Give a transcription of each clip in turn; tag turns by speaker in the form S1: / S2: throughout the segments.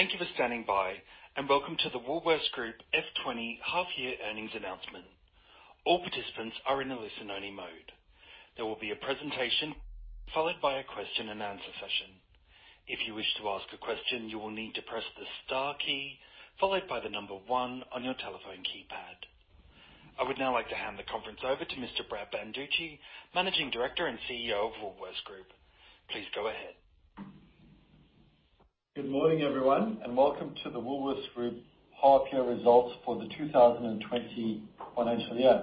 S1: Thank you for standing by, and welcome to the Woolworths Group F20 half-year earnings announcement. All participants are in a listen-only mode. There will be a presentation, followed by a question-and-answer session. If you wish to ask a question, you will need to press the star key followed by the number one on your telephone keypad. I would now like to hand the conference over to Mr. Brad Banducci, Managing Director and CEO of Woolworths Group. Please go ahead.
S2: Good morning, everyone, and welcome to the Woolworths Group half-year results for the two thousand and twenty financial year.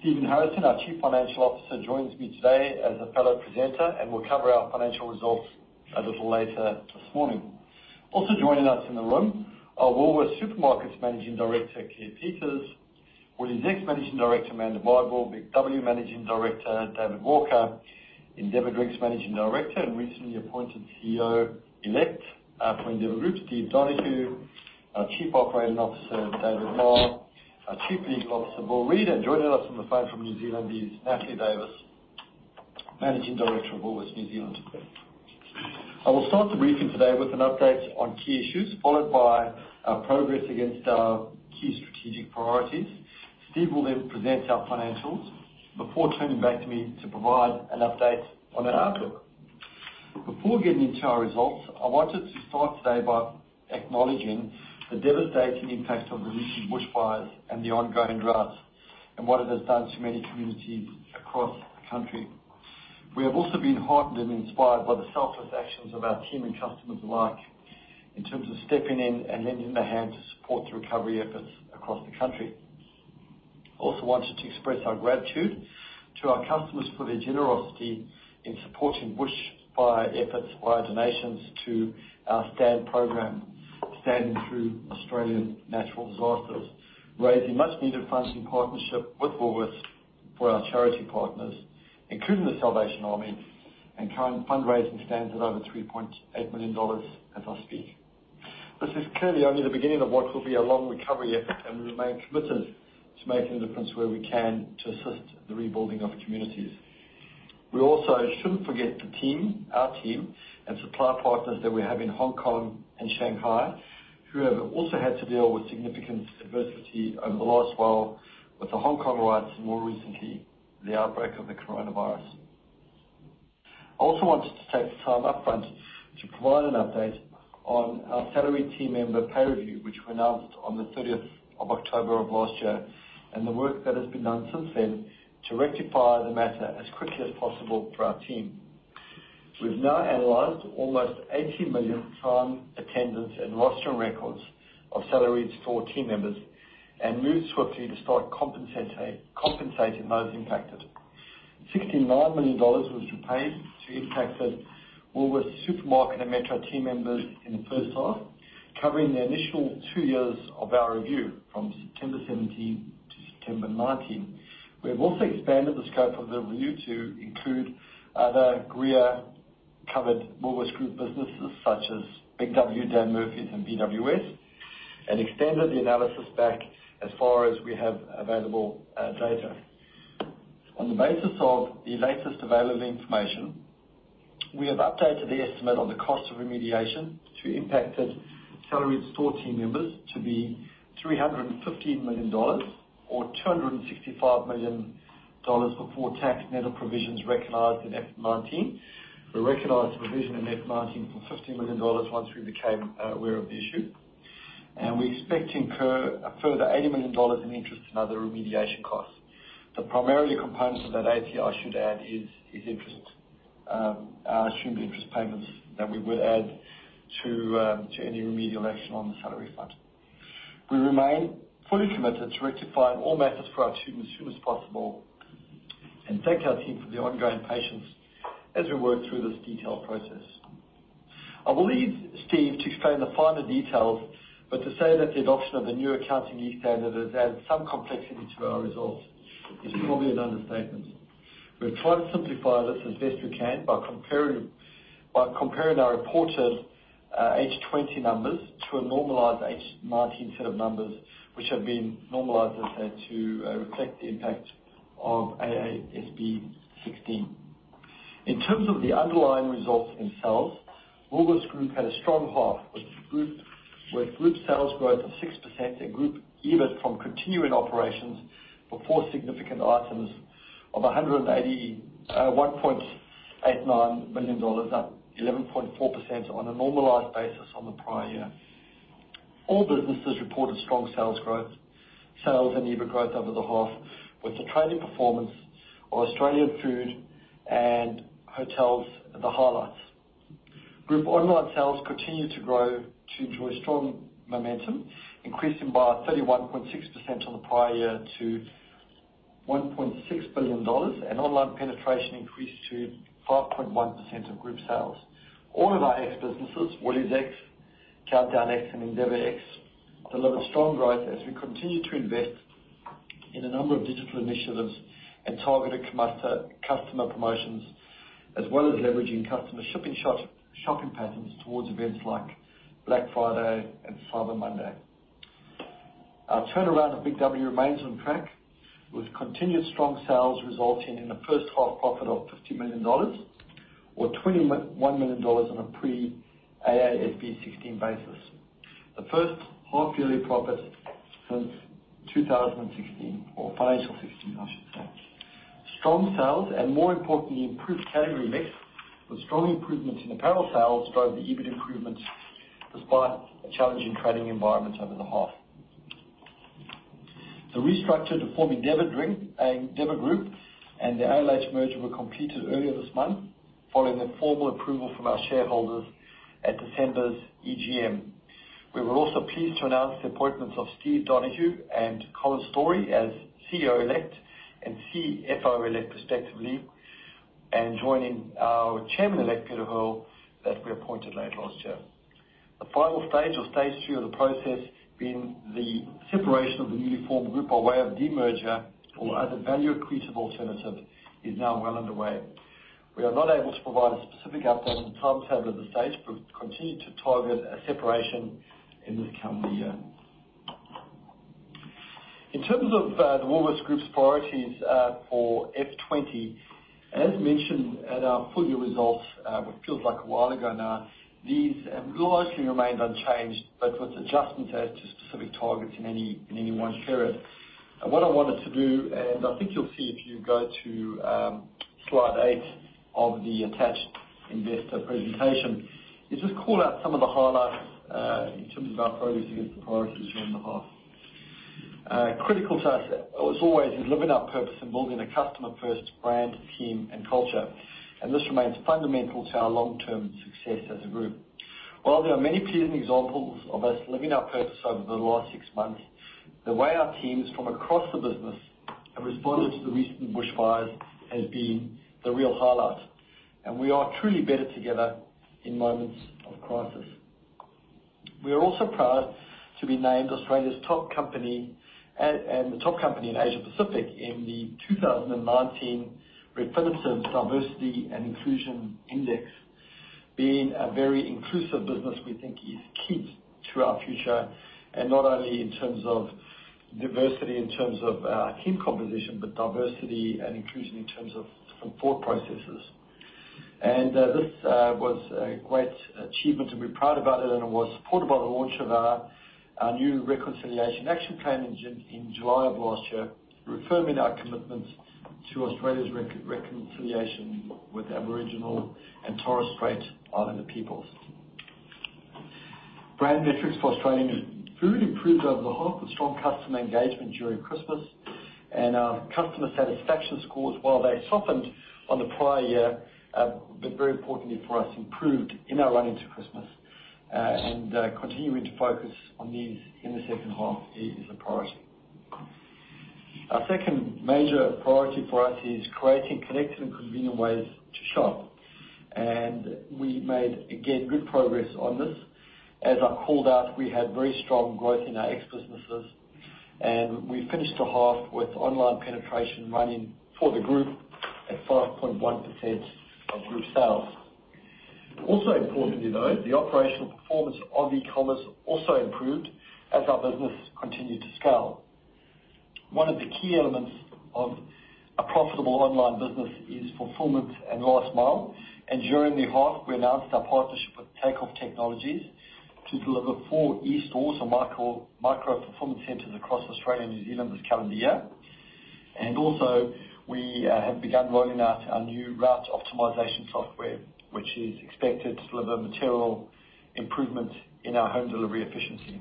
S2: Stephen Harrison, our Chief Financial Officer, joins me today as a fellow presenter, and will cover our financial results a little later this morning. Also joining us in the room are Woolworths Supermarkets Managing Director, Claire Peters, WooliesX Managing Director, Amanda Bardwell, Big W Managing Director, David Walker, Endeavour Drinks Managing Director and recently appointed CEO-elect for Endeavour Group, Steve Donohue, our Chief Operating Officer, David Marr, our Chief Legal Officer, Paul Reid, and joining us on the phone from New Zealand is Natalie Davis, Managing Director of Woolworths New Zealand today. I will start the briefing today with an update on key issues, followed by our progress against our key strategic priorities. Steve will then present our financials before turning back to me to provide an update on our outlook. Before getting into our results, I wanted to start today by acknowledging the devastating impact of the recent bushfires and the ongoing droughts and what it has done to many communities across the country. We have also been heartened and inspired by the selfless actions of our team and customers alike in terms of stepping in and lending them a hand to support the recovery efforts across the country. I also wanted to express our gratitude to our customers for their generosity in supporting bushfire efforts via donations to our STAND program, Standing Through Australian Natural Disasters, raising much-needed funds in partnership with Woolworths for our charity partners, including the Salvation Army, and current fundraising stands at over 3.8 million dollars as I speak. This is clearly only the beginning of what will be a long recovery effort, and we remain committed to making a difference where we can to assist the rebuilding of communities. We also shouldn't forget the team, our team, and supply partners that we have in Hong Kong and Shanghai, who have also had to deal with significant adversity over the last while, with the Hong Kong riots and more recently, the outbreak of the Coronavirus. I also wanted to take the time up front to provide an update on our salaried team member pay review, which we announced on the thirtieth of October of last year, and the work that has been done since then to rectify the matter as quickly as possible for our team. We've now analyzed almost 80 million time attendance and roster records of salaried store team members and moved swiftly to start compensating those impacted. 69 million dollars was repaid to impacted Woolworths Supermarket and Metro team members in the first half, covering the initial two years of our review from September 2017 to September 2019. We have also expanded the scope of the review to include other GRIA-covered Woolworths Group businesses, such as Big W, Dan Murphy's, and BWS, and extended the analysis back as far as we have available data. On the basis of the latest available information, we have updated the estimate on the cost of remediation to impacted salaried store team members to be 315 million dollars or 265 million dollars before tax and other provisions recognized in F19. We recognized a provision in F19 for 15 million dollars once we became aware of the issue, and we expect to incur a further 80 million dollars in interest and other remediation costs. The primary component of that AUD 80 million, I should add, is interest, our assumed interest payments that we would add to any remedial action on the salary front. We remain fully committed to rectifying all matters for our team as soon as possible, and thank our team for their ongoing patience as we work through this detailed process. I will leave Steve to explain the finer details, but to say that the adoption of the new accounting standard has added some complexity to our results is probably an understatement. We've tried to simplify this as best we can by comparing our reported H1 2020 numbers to a normalized H1 2019 set of numbers, which have been normalized to reflect the impact of AASB 16. In terms of the underlying results themselves, Woolworths Group had a strong half with group sales growth of 6% and group EBIT from continuing operations before significant items of AUD 1.89 billion, up 11.4% on a normalized basis on the prior year. All businesses reported strong sales growth, sales and EBIT growth over the half, with the trading performance of Australian Food and Hotels the highlights. Group online sales continued to grow to enjoy strong momentum, increasing by 31.6% on the prior year to 1.6 billion dollars, and online penetration increased to 5.1% of group sales. All of our X businesses, WooliesX, CountdownX, and EndeavourX, delivered strong growth as we continue to invest in a number of digital initiatives and targeted customer promotions, as well as leveraging customer shopping patterns toward events like Black Friday and Cyber Monday.... Our turnaround at Big W remains on track, with continued strong sales resulting in a first half profit of 50 million dollars, or 21 million dollars on a pre-AASB 16 basis. The first half-yearly profit since 2016 or F16, I should say. Strong sales, and more importantly, improved category mix, with strong improvements in apparel sales, drove the EBIT improvements, despite a challenging trading environment over the half. The restructure to form Endeavour Drinks, Endeavour Group, and the ALH Group merger were completed earlier this month, following the formal approval from our shareholders at December's EGM. We were also pleased to announce the appointments of Steve Donohue and Colin Storrie as CEO-elect and CFO-elect, respectively, and joining our chairman-elect, Peter Hearl, that we appointed late last year. The final stage, or stage two of the process, being the separation of the newly formed group by way of demerger or other value-accretive alternative, is now well underway. We are not able to provide a specific update on the timetable of the stage, but we've continued to target a separation in this calendar year. In terms of, the Woolworths Group's priorities, for F20, as mentioned at our full year results, what feels like a while ago now, these largely remained unchanged, but with adjustments as to specific targets in any one period, and what I wanted to do, and I think you'll see if you go to, slide eight of the attached investor presentation, is just call out some of the highlights, in terms of our progress against the priorities during the half. Critical to us, as always, is living our purpose and building a customer-first brand, team, and culture, and this remains fundamental to our long-term success as a group. While there are many pleasing examples of us living our purpose over the last six months, the way our teams from across the business have responded to the recent bushfires has been the real highlight, and we are truly better together in moments of crisis. We are also proud to be named Australia's top company, and the top company in Asia Pacific in the 2019 Refinitiv Diversity and Inclusion Index. Being a very inclusive business, we think is key to our future, and not only in terms of diversity, in terms of, team composition, but diversity and inclusion in terms of support processes. This was a great achievement, and we're proud about it, and it was supported by the launch of our new Reconciliation Action Plan in July of last year, reaffirming our commitment to Australia's reconciliation with Aboriginal and Torres Strait Islander peoples. Brand metrics for Australian Food improved over the half, with strong customer engagement during Christmas, and our customer satisfaction scores, while they softened on the prior year, but very importantly for us, improved in our run into Christmas. Continuing to focus on these in the second half is a priority. Our second major priority for us is creating connected and convenient ways to shop, and we made, again, good progress on this. As I called out, we had very strong growth in our X businesses, and we finished the half with online penetration running for the group at 5.1% of group sales. Also importantly, though, the operational performance of e-commerce also improved as our business continued to scale. One of the key elements of a profitable online business is fulfillment and last mile, and during the half, we announced our partnership with Takeoff Technologies to deliver four eStores or micro-fulfillment centers across Australia and New Zealand this calendar year. And also, we have begun rolling out our new route optimization software, which is expected to deliver material improvement in our home delivery efficiency.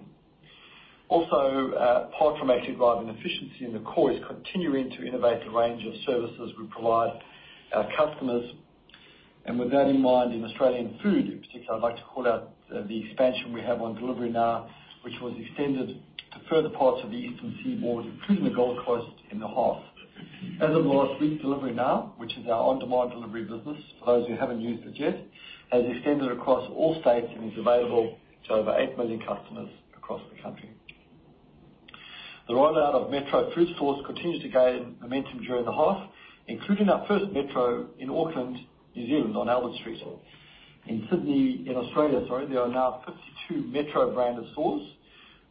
S2: Also, apart from actually driving efficiency in the core, is continuing to innovate the range of services we provide our customers. And with that in mind, in Australian Food in particular, I'd like to call out the expansion we have on Delivery Now, which was extended to further parts of the Eastern Seaboard, including the Gold Coast, in the half. As of last week, Delivery Now, which is our on-demand delivery business, for those who haven't used it yet, has extended across all states and is available to over 8 million customers across the country. The rollout of Metro fruit stores continues to gain momentum during the half, including our first Metro in Auckland, New Zealand, on Albert Street. In Sydney, in Australia, sorry, there are now 52 Metro branded stores.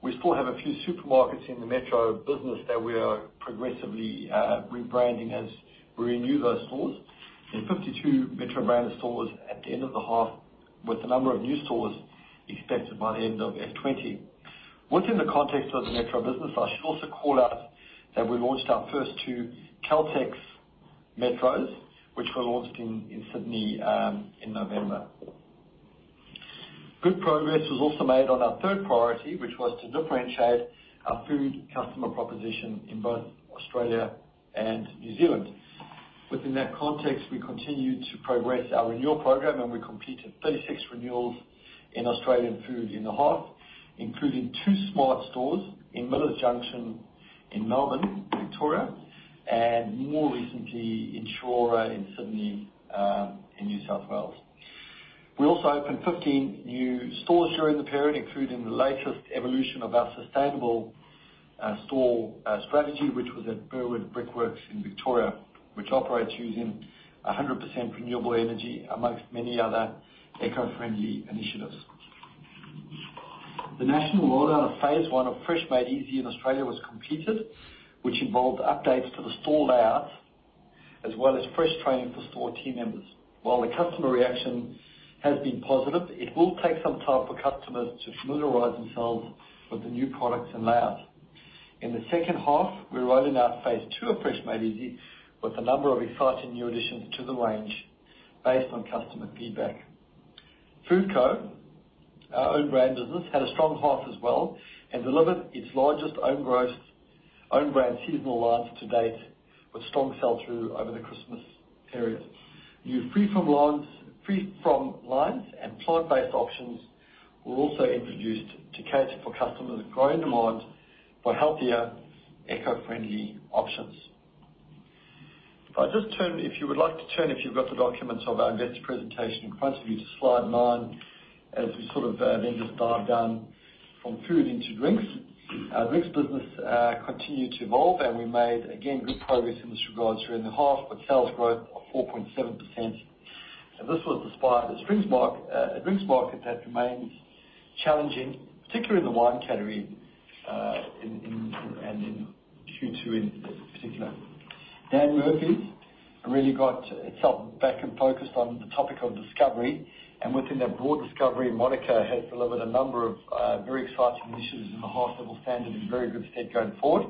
S2: We still have a few supermarkets in the Metro business that we are progressively rebranding as we renew those stores, and 52 Metro branded stores at the end of the half, with a number of new stores expected by the end of F20. Within the context of the Metro business, I should also call out that we launched our first two Caltex Metros, which were launched in Sydney in November. Good progress was also made on our third priority, which was to differentiate our food customer proposition in both Australia and New Zealand. Within that context, we continued to progress our renewal program, and we completed 36 renewals in Australian Food in the half, including two Smart Stores in Millers Junction, in Melbourne, Victoria, and more recently in Chullora, in Sydney, in New South Wales. We also opened 15 new stores during the period, including the latest evolution of our sustainable store strategy, which was at Burwood Brickworks in Victoria, which operates using 100% renewable energy, among many other eco-friendly initiatives. The national rollout of phase one of Fresh Made Easy in Australia was completed, which involved updates to the store layout, as well as fresh training for store team members. While the customer reaction has been positive, it will take some time for customers to familiarize themselves with the new products and layout. In the second half, we're rolling out phase two of Fresh Made Easy, with a number of exciting new additions to the range based on customer feedback. FoodCo, our own-brand business, had a strong half as well and delivered its largest own-brand seasonal launch to date, with strong sell-through over the Christmas period. New free from lines, free from lines and plant-based options were also introduced to cater for customers' growing demand for healthier, eco-friendly options. If I just turn, if you would like to turn, if you've got the documents of our investor presentation in front of you, to slide 9, as we sort of then just dive down from food into drinks. Our drinks business continued to evolve, and we made, again, good progress in this regard during the half, with sales growth of 4.7%. This was despite a spring mark, a drinks market that remains challenging, particularly in the wine category, in and in Q2 in particular. Dan Murphy's really got itself back and focused on the topic of discovery, and within that broad discovery, My Dan has delivered a number of very exciting initiatives in the half that will stand in very good stead going forward,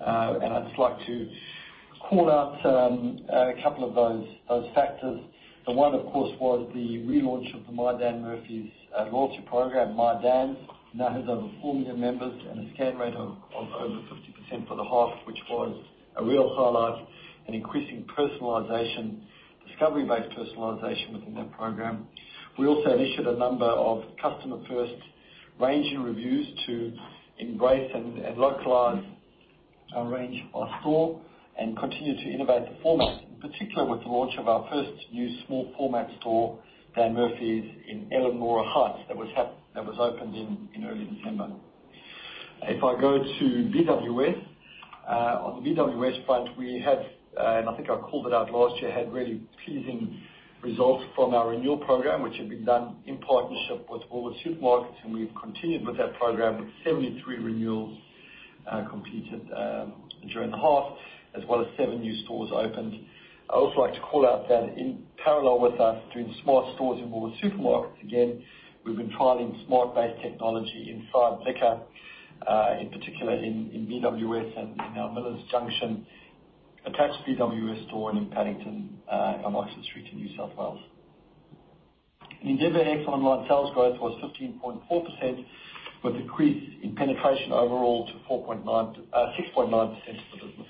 S2: and I'd just like to call out a couple of those factors. The one, of course, was the relaunch of the My Dan Murphy's loyalty program. My Dan now has over 4 million members and a scan rate of over 50% for the half, which was a real highlight in increasing personalization, discovery-based personalization within that program. We also initiated a number of customer-first ranging reviews to embrace and localize our range by store and continue to innovate the format, in particular with the launch of our first new small format store, Dan Murphy's, in Elanora Heights, that was opened in early December. If I go to BWS, on the BWS front, we had, and I think I called it out last year, had really pleasing results from our renewal program, which had been done in partnership with Woolworths Supermarkets, and we've continued with that program, with 73 renewals completed during the half, as well as seven new stores opened. I'd also like to call out that in parallel with us doing small stores in Woolworths Supermarkets, again, we've been trialing smart-based technology inside Liquor, in particular in BWS and in our Millers Junction attached BWS store in Paddington, on Oxford Street in New South Wales. In EndeavourX, online sales growth was 15.4%, with increase in penetration overall to 4.9, 6.9% for the business.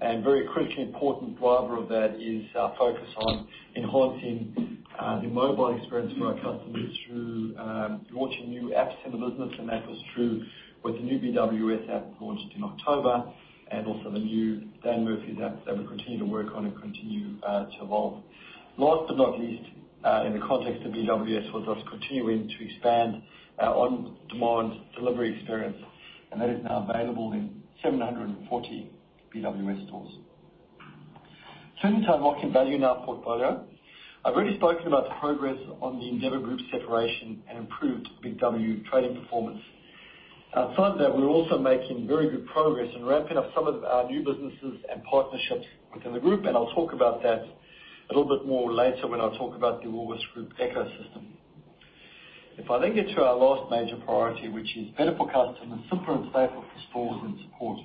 S2: And very critically important driver of that is our focus on enhancing the mobile experience for our customers through launching new apps in the business, and that was through with the new BWS app launched in October and also the new Dan Murphy's app that we continue to work on and continue to evolve. Last but not least, in the context of BWS, was us continuing to expand our on-demand delivery experience, and that is now available in 740 BWS stores. Turning to unlocking value in our portfolio, I've already spoken about the progress on the Endeavour Group separation and improved Big W trading performance. Outside that, we're also making very good progress in ramping up some of our new businesses and partnerships within the group, and I'll talk about that a little bit more later when I talk about the Woolworths Group ecosystem. If I then get to our last major priority, which is better for customers, simpler and safer for stores and support.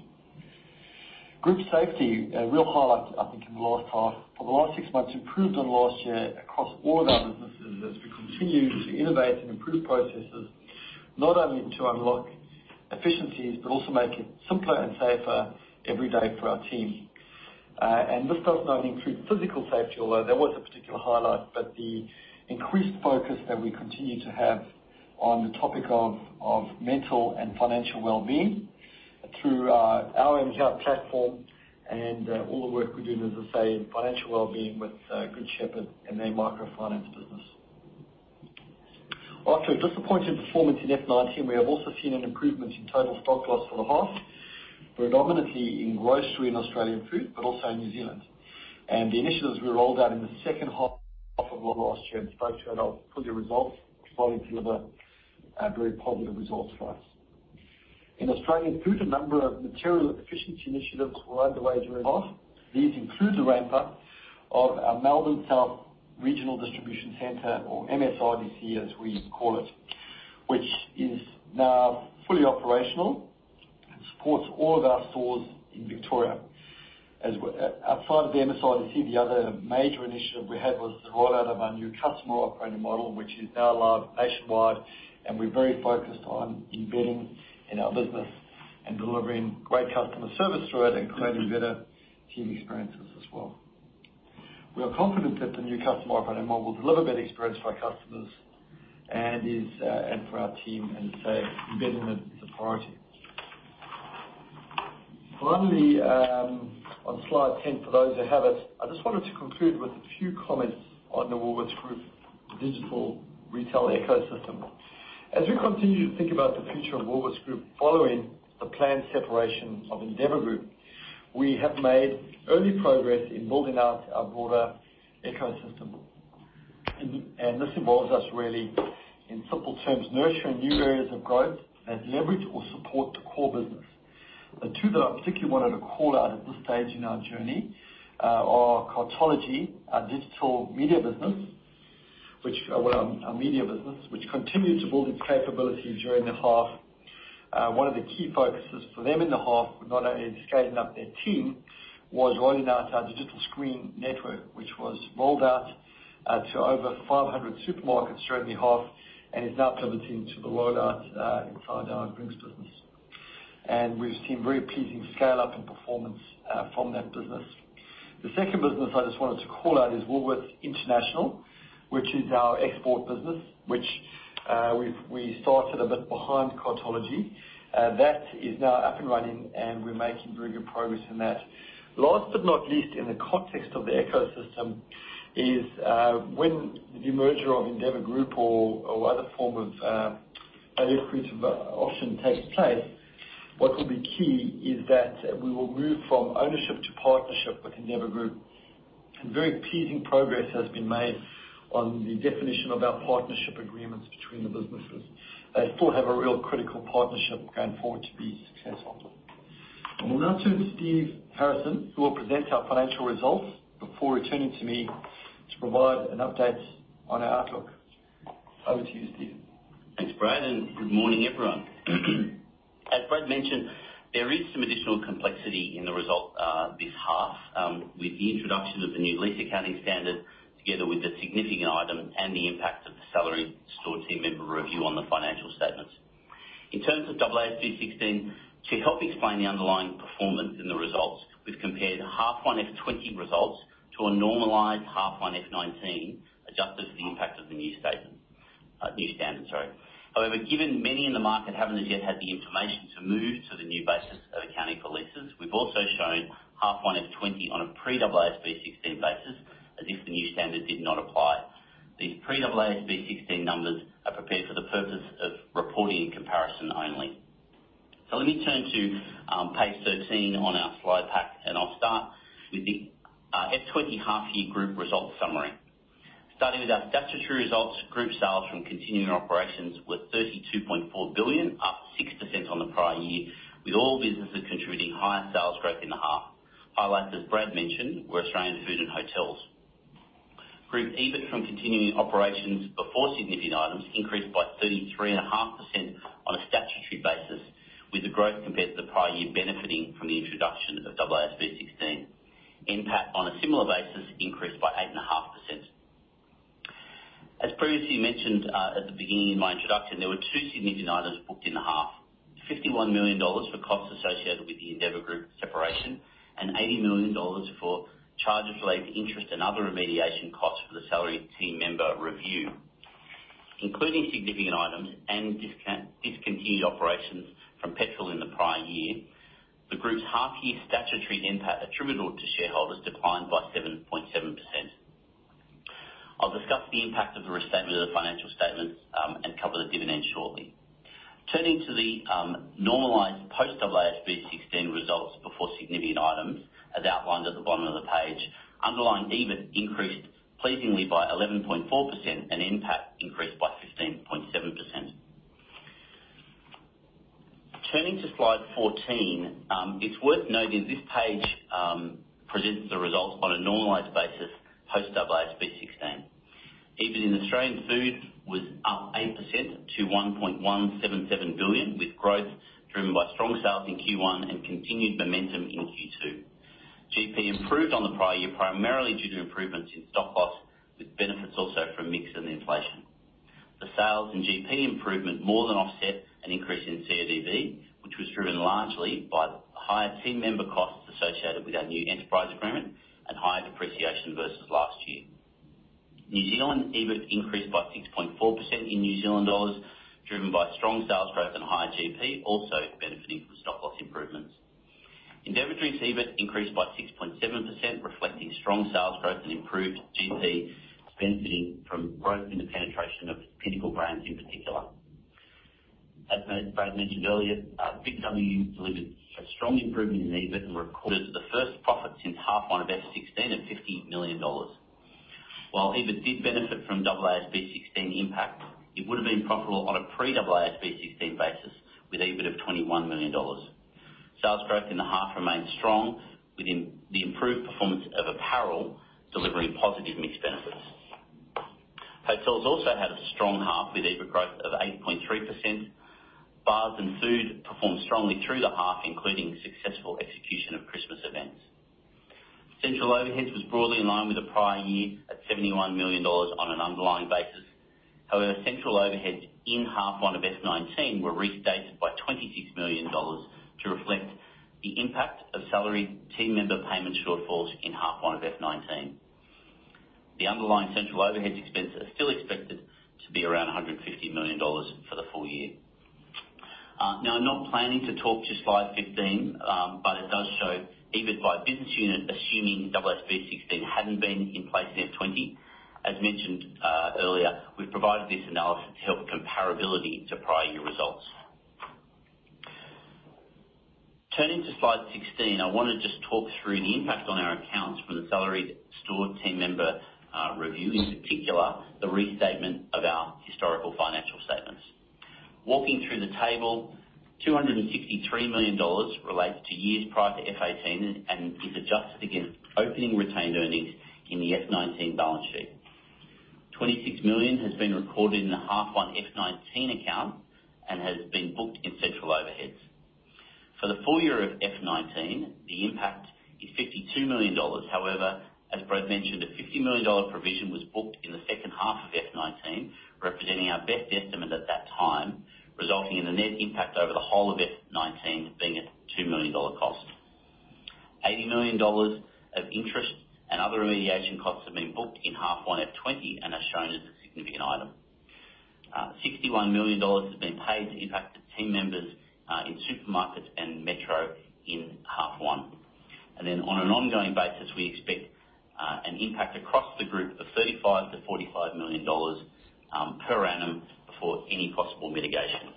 S2: Group safety, a real highlight, I think, in the last half, for the last six months, improved on last year across all of our businesses as we continued to innovate and improve processes, not only to unlock efficiencies, but also make it simpler and safer every day for our team. And this does not only include physical safety, although that was a particular highlight, but the increased focus that we continue to have on the topic of mental and financial wellbeing through our myHub platform and all the work we're doing, as I say, in financial wellbeing with Good Shepherd and their microfinance business. After a disappointing performance in F19, we have also seen an improvement in total stock loss for the half, predominantly in grocery and Australian food, but also in New Zealand. The initiatives we rolled out in the second half of last year and spoke to our full-year results continued to have a very positive results for us. In Australian food, a number of material efficiency initiatives were underway during the half. These include the ramp-up of our Melbourne South Regional Distribution Center, or MSRDC, as we call it, which is now fully operational and supports all of our stores in Victoria. Outside of the MSRDC, the other major initiative we had was the rollout of our new customer operating model, which is now live nationwide, and we're very focused on embedding in our business and delivering great customer service through it and creating better team experiences as well. We are confident that the new customer operating model will deliver better experience for our customers and is, and for our team, and as I say, embedding it is a priority. Finally, on slide 10, for those who have it, I just wanted to conclude with a few comments on the Woolworths Group digital retail ecosystem. As we continue to think about the future of Woolworths Group following the planned separation of Endeavour Group, we have made early progress in building out our broader ecosystem. And this involves us really, in simple terms, nurturing new areas of growth that leverage or support the core business. The two that I particularly wanted to call out at this stage in our journey, are Cartology, our digital media business, which, well, our media business, which continued to build its capabilities during the half. One of the key focuses for them in the half, not only in scaling up their team, was rolling out our digital screen network, which was rolled out to over 500 supermarkets during the half, and is now pivoting to the rollout in our Coles business. We've seen very pleasing scale-up and performance from that business. The second business I just wanted to call out is Woolworths International, which is our export business, which we've started a bit behind Cartology. That is now up and running, and we're making very good progress in that. Last but not least, in the context of the ecosystem is, when the demerger of Endeavour Group or other form of a liquid option takes place, what will be key is that we will move from ownership to partnership with Endeavour Group, and very pleasing progress has been made on the definition of our partnership agreements between the businesses. They still have a real critical partnership going forward to be successful. I'll now turn to Steve Harrison, who will present our financial results before returning to me to provide an update on our outlook. Over to you, Steve.
S3: Thanks, Brad, and good morning, everyone. As Brad mentioned, there is some additional complexity in the result, this half, with the introduction of the new lease accounting standard, together with the significant item and the impact of the salaried store team member review on the financial statements. In terms of AASB 16, to help explain the underlying performance in the results, we've compared half one F20 results to a normalized half one F19, adjusted for the impact of the new statement, new standard, sorry. However, given many in the market haven't as yet had the information to move to the new basis of accounting for leases, we've also shown half one F20 on a pre-AASB 16 basis, as if the new standard did not apply. These pre-AASB 16 numbers are prepared for the purpose of reporting and comparison only. So let me turn to page 13 on our slide pack, and I'll start with the F20 half-year group results summary. Starting with our statutory results, group sales from continuing operations were AUD 32.4 billion, up 6% on the prior year, with all businesses contributing higher sales growth in the half. Highlights, as Brad mentioned, were Australian Food and Hotels. Group EBIT from continuing operations before significant items increased by 33.5% on a statutory basis, with the growth compared to the prior year benefiting from the introduction of AASB 16. NPAT, on a similar basis, increased by 8.5%. As previously mentioned, at the beginning in my introduction, there were two significant items booked in the half: 51 million dollars for costs associated with the Endeavour Group separation, and 80 million dollars for charges related to interest and other remediation costs for the salaried team member review. Including significant items and discontinued operations from Petrol in the prior year, the group's half-year statutory NPAT attributable to shareholders declined by 7.7%. I'll discuss the impact of the restatement of the financial statements, and cover the dividend shortly. Turning to the normalized post-AASB 16 results before significant items, as outlined at the bottom of the page, underlying EBIT increased pleasingly by 11.4%, and NPAT increased by 15.7%. Turning to slide 14, it's worth noting this page presents the results on a normalized basis post-AASB 16. EBIT in Australian Food was up 8% to 1.177 billion, with growth driven by strong sales in Q1 and continued momentum in Q2. GP improved on the prior year, primarily due to improvements in stock loss, with benefits also from mix and inflation. The sales and GP improvement more than offset an increase in CODB, which was driven largely by higher team member costs associated with our new enterprise agreement and higher depreciation versus last year. New Zealand EBIT increased by 6.4% in NZD, driven by strong sales growth and higher GP, also benefiting from stock loss improvements. Endeavour Drinks' EBIT increased by 6.7%, reflecting strong sales growth and improved GP, benefiting from growth in the penetration of Pinnacle brands in particular. As Brad mentioned earlier, Big W delivered a strong improvement in EBIT and recorded the first profit since H1 F16 at 50 million dollars. While EBIT did benefit from AASB 16 impact, it would've been profitable on a pre-AASB 16 basis, with EBIT of AUD 21 million. Sales growth in the half remained strong, with the improved performance of apparel, delivering positive mix benefits. Hotels also had a strong half, with EBIT growth of 8.3%. Bars and Food performed strongly through the half, including successful execution of Christmas events. Central overheads was broadly in line with the prior year, at 71 million dollars on an underlying basis. However, central overheads in H1 F19 were restated by 26 million dollars to reflect the impact of salaried team member payment shortfalls in H1 F19. The underlying central overheads expense is still expected to be around 150 million dollars for the full year. Now, I'm not planning to talk to slide 15, but it does show EBIT by business unit, assuming AASB 16 hadn't been in place in F20. As mentioned earlier, we've provided this analysis to help comparability to prior year results. Turning to slide 16, I wanna just talk through the impact on our accounts from the salaried store team member review, in particular, the restatement of our historical financial statements. Walking through the table, 263 million dollars relates to years prior to F18, and is adjusted against opening retained earnings in the F19 balance sheet. 26 million has been recorded in the H1 F19 accounts, and has been booked in central overheads. For the full year of F19, the impact is AUD 52 million. However, as Brad mentioned, a AUD 50 million provision was booked in the second half of F19, representing our best estimate at that time, resulting in a net impact over the whole of F19 being a 2 million dollar cost. 80 million dollars of interest and other remediation costs have been booked in half one F20, and are shown as a significant item. 61 million dollars has been paid to impacted team members in supermarkets and Metro in half one. And then on an ongoing basis, we expect an impact across the group of 35-45 million dollars per annum before any possible mitigation.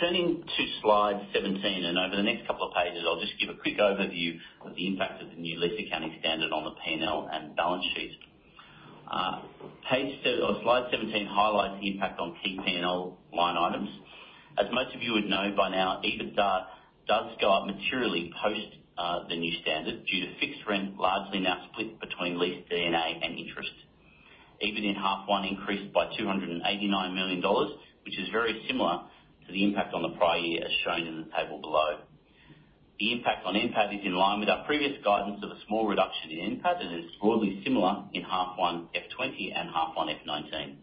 S3: Turning to slide 17, and over the next couple of pages, I'll just give a quick overview of the impact of the new lease accounting standard on the P&L and balance sheet. Page or slide 17 highlights the impact on key P&L line items. As most of you would know by now, EBITDA does go up materially post the new standard, due to fixed rent, largely now split between depreciation and interest. EBIT in half one increased by 289 million dollars, which is very similar to the impact on the prior year, as shown in the table below. The impact on NPAT is in line with our previous guidance of a small reduction in NPAT, and is broadly similar in H1 F20 and H1 F19.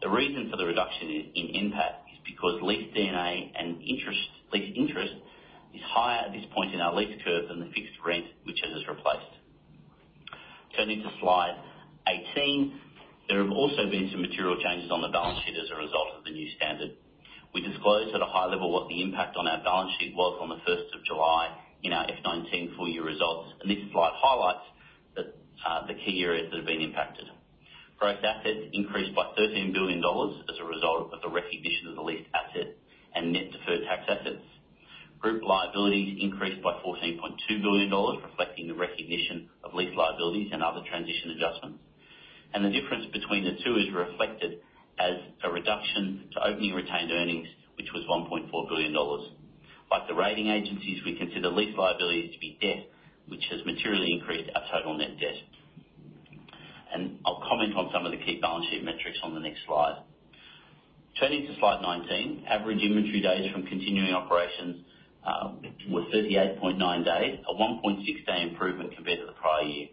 S3: The reason for the reduction in NPAT is because lease D&A and interest, lease interest, is higher at this point in our lease curve than the fixed rent, which it has replaced. Turning to slide 18, there have also been some material changes on the balance sheet as a result of the new standard. We disclosed at a high level what the impact on our balance sheet was on the first of July in our F19 full year results, and this slide highlights the key areas that have been impacted. Gross assets increased by AUD 13 billion as a result of the recognition of the lease asset and net deferred tax assets. Group liabilities increased by AUD 14.2 billion, reflecting the recognition of lease liabilities and other transition adjustments. The difference between the two is reflected as a reduction to opening retained earnings, which was 1.4 billion dollars. Like the rating agencies, we consider lease liabilities to be debt, which has materially increased our total net debt. I'll comment on some of the key balance sheet metrics on the next slide. Turning to slide 19, average inventory days from continuing operations were 38.9 days, a 1.6-day improvement compared to the prior year.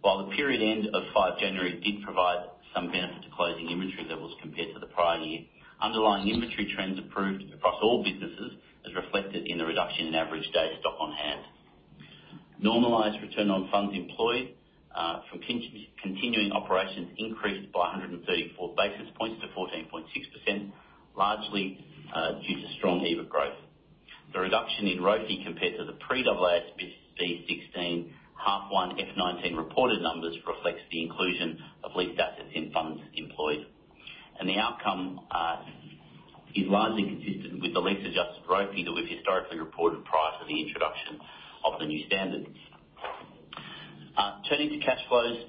S3: While the period end of 5 January did provide some benefit to closing inventory levels compared to the prior year, underlying inventory trends improved across all businesses, as reflected in the reduction in average day stock on hand. Normalized return on funds employed from continuing operations increased by 134 basis points to 14.6%, largely due to strong EBIT growth. The reduction in ROFE compared to the pre-AASB 16 H1 F19 reported numbers reflects the inclusion of lease assets in funds employed, and the outcome is largely consistent with the lease-adjusted ROFE that we've historically reported prior to the introduction of the new standards. Turning to cash flows,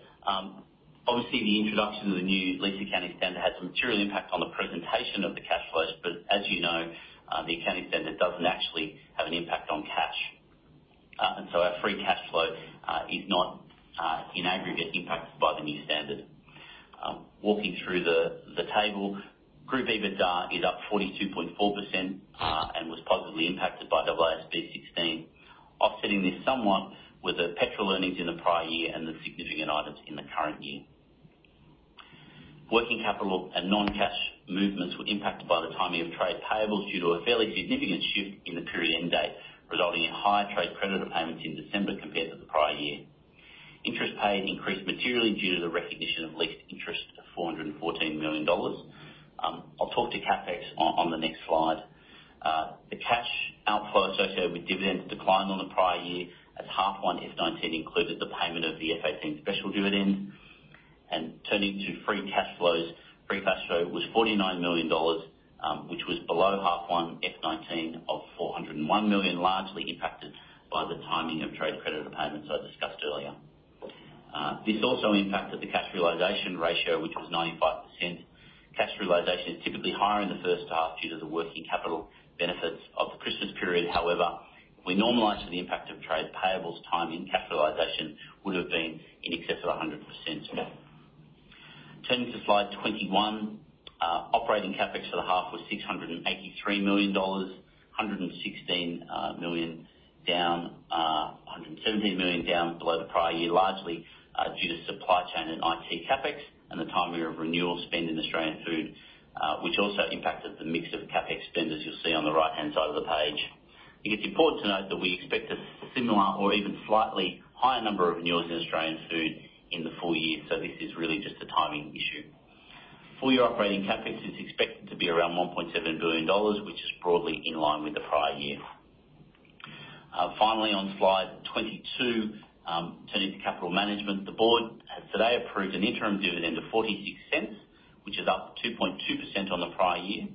S3: obviously, the introduction of the new lease accounting standard had some material impact on the presentation of the cash flows, but as you know, the accounting standard doesn't actually have an impact on cash. And so our free cash flow is not, in aggregate, impacted by the new standard. Walking through the table, group EBITDA is up 42.4%, and was positively impacted by AASB 16. Offsetting this somewhat were the petrol earnings in the prior year and the significant items in the current year. Working capital and non-cash movements were impacted by the timing of trade payables, due to a fairly significant shift in the period end date, resulting in higher trade creditor payments in December compared to the prior year. Interest paid increased materially due to the recognition of lease interest of 414 million dollars. I'll talk to CapEx on the next slide. The cash outflow associated with dividends declined on the prior year, as H1 F19 included the payment of the F18 special dividend. Turning to free cash flows, free cash flow was 49 million dollars, which was below H1 F19 of 401 million, largely impacted by the timing of trade creditor payments I discussed earlier. This also impacted the cash realization ratio, which was 95%. Cash realization is typically higher in the first half due to the working capital benefits of the Christmas period. However, we normalized to the impact of trade payables, timing capitalization would have been in excess of 100%. Turning to slide 21, operating CapEx for the half was 683 million dollars, 116 million down, 117 million down below the prior year, largely due to supply chain and IT CapEx, and the timing of renewal spend in Australian Food, which also impacted the mix of CapEx spend, as you'll see on the right-hand side of the page. It is important to note that we expect a similar or even slightly higher number of renewals in Australian Food in the full year, so this is really just a timing issue. Full year operating CapEx is expected to be around 1.7 billion dollars, which is broadly in line with the prior year. Finally, on slide 22, turning to capital management, the board has today approved an interim dividend of 0.46, which is up 2.2% on the prior year.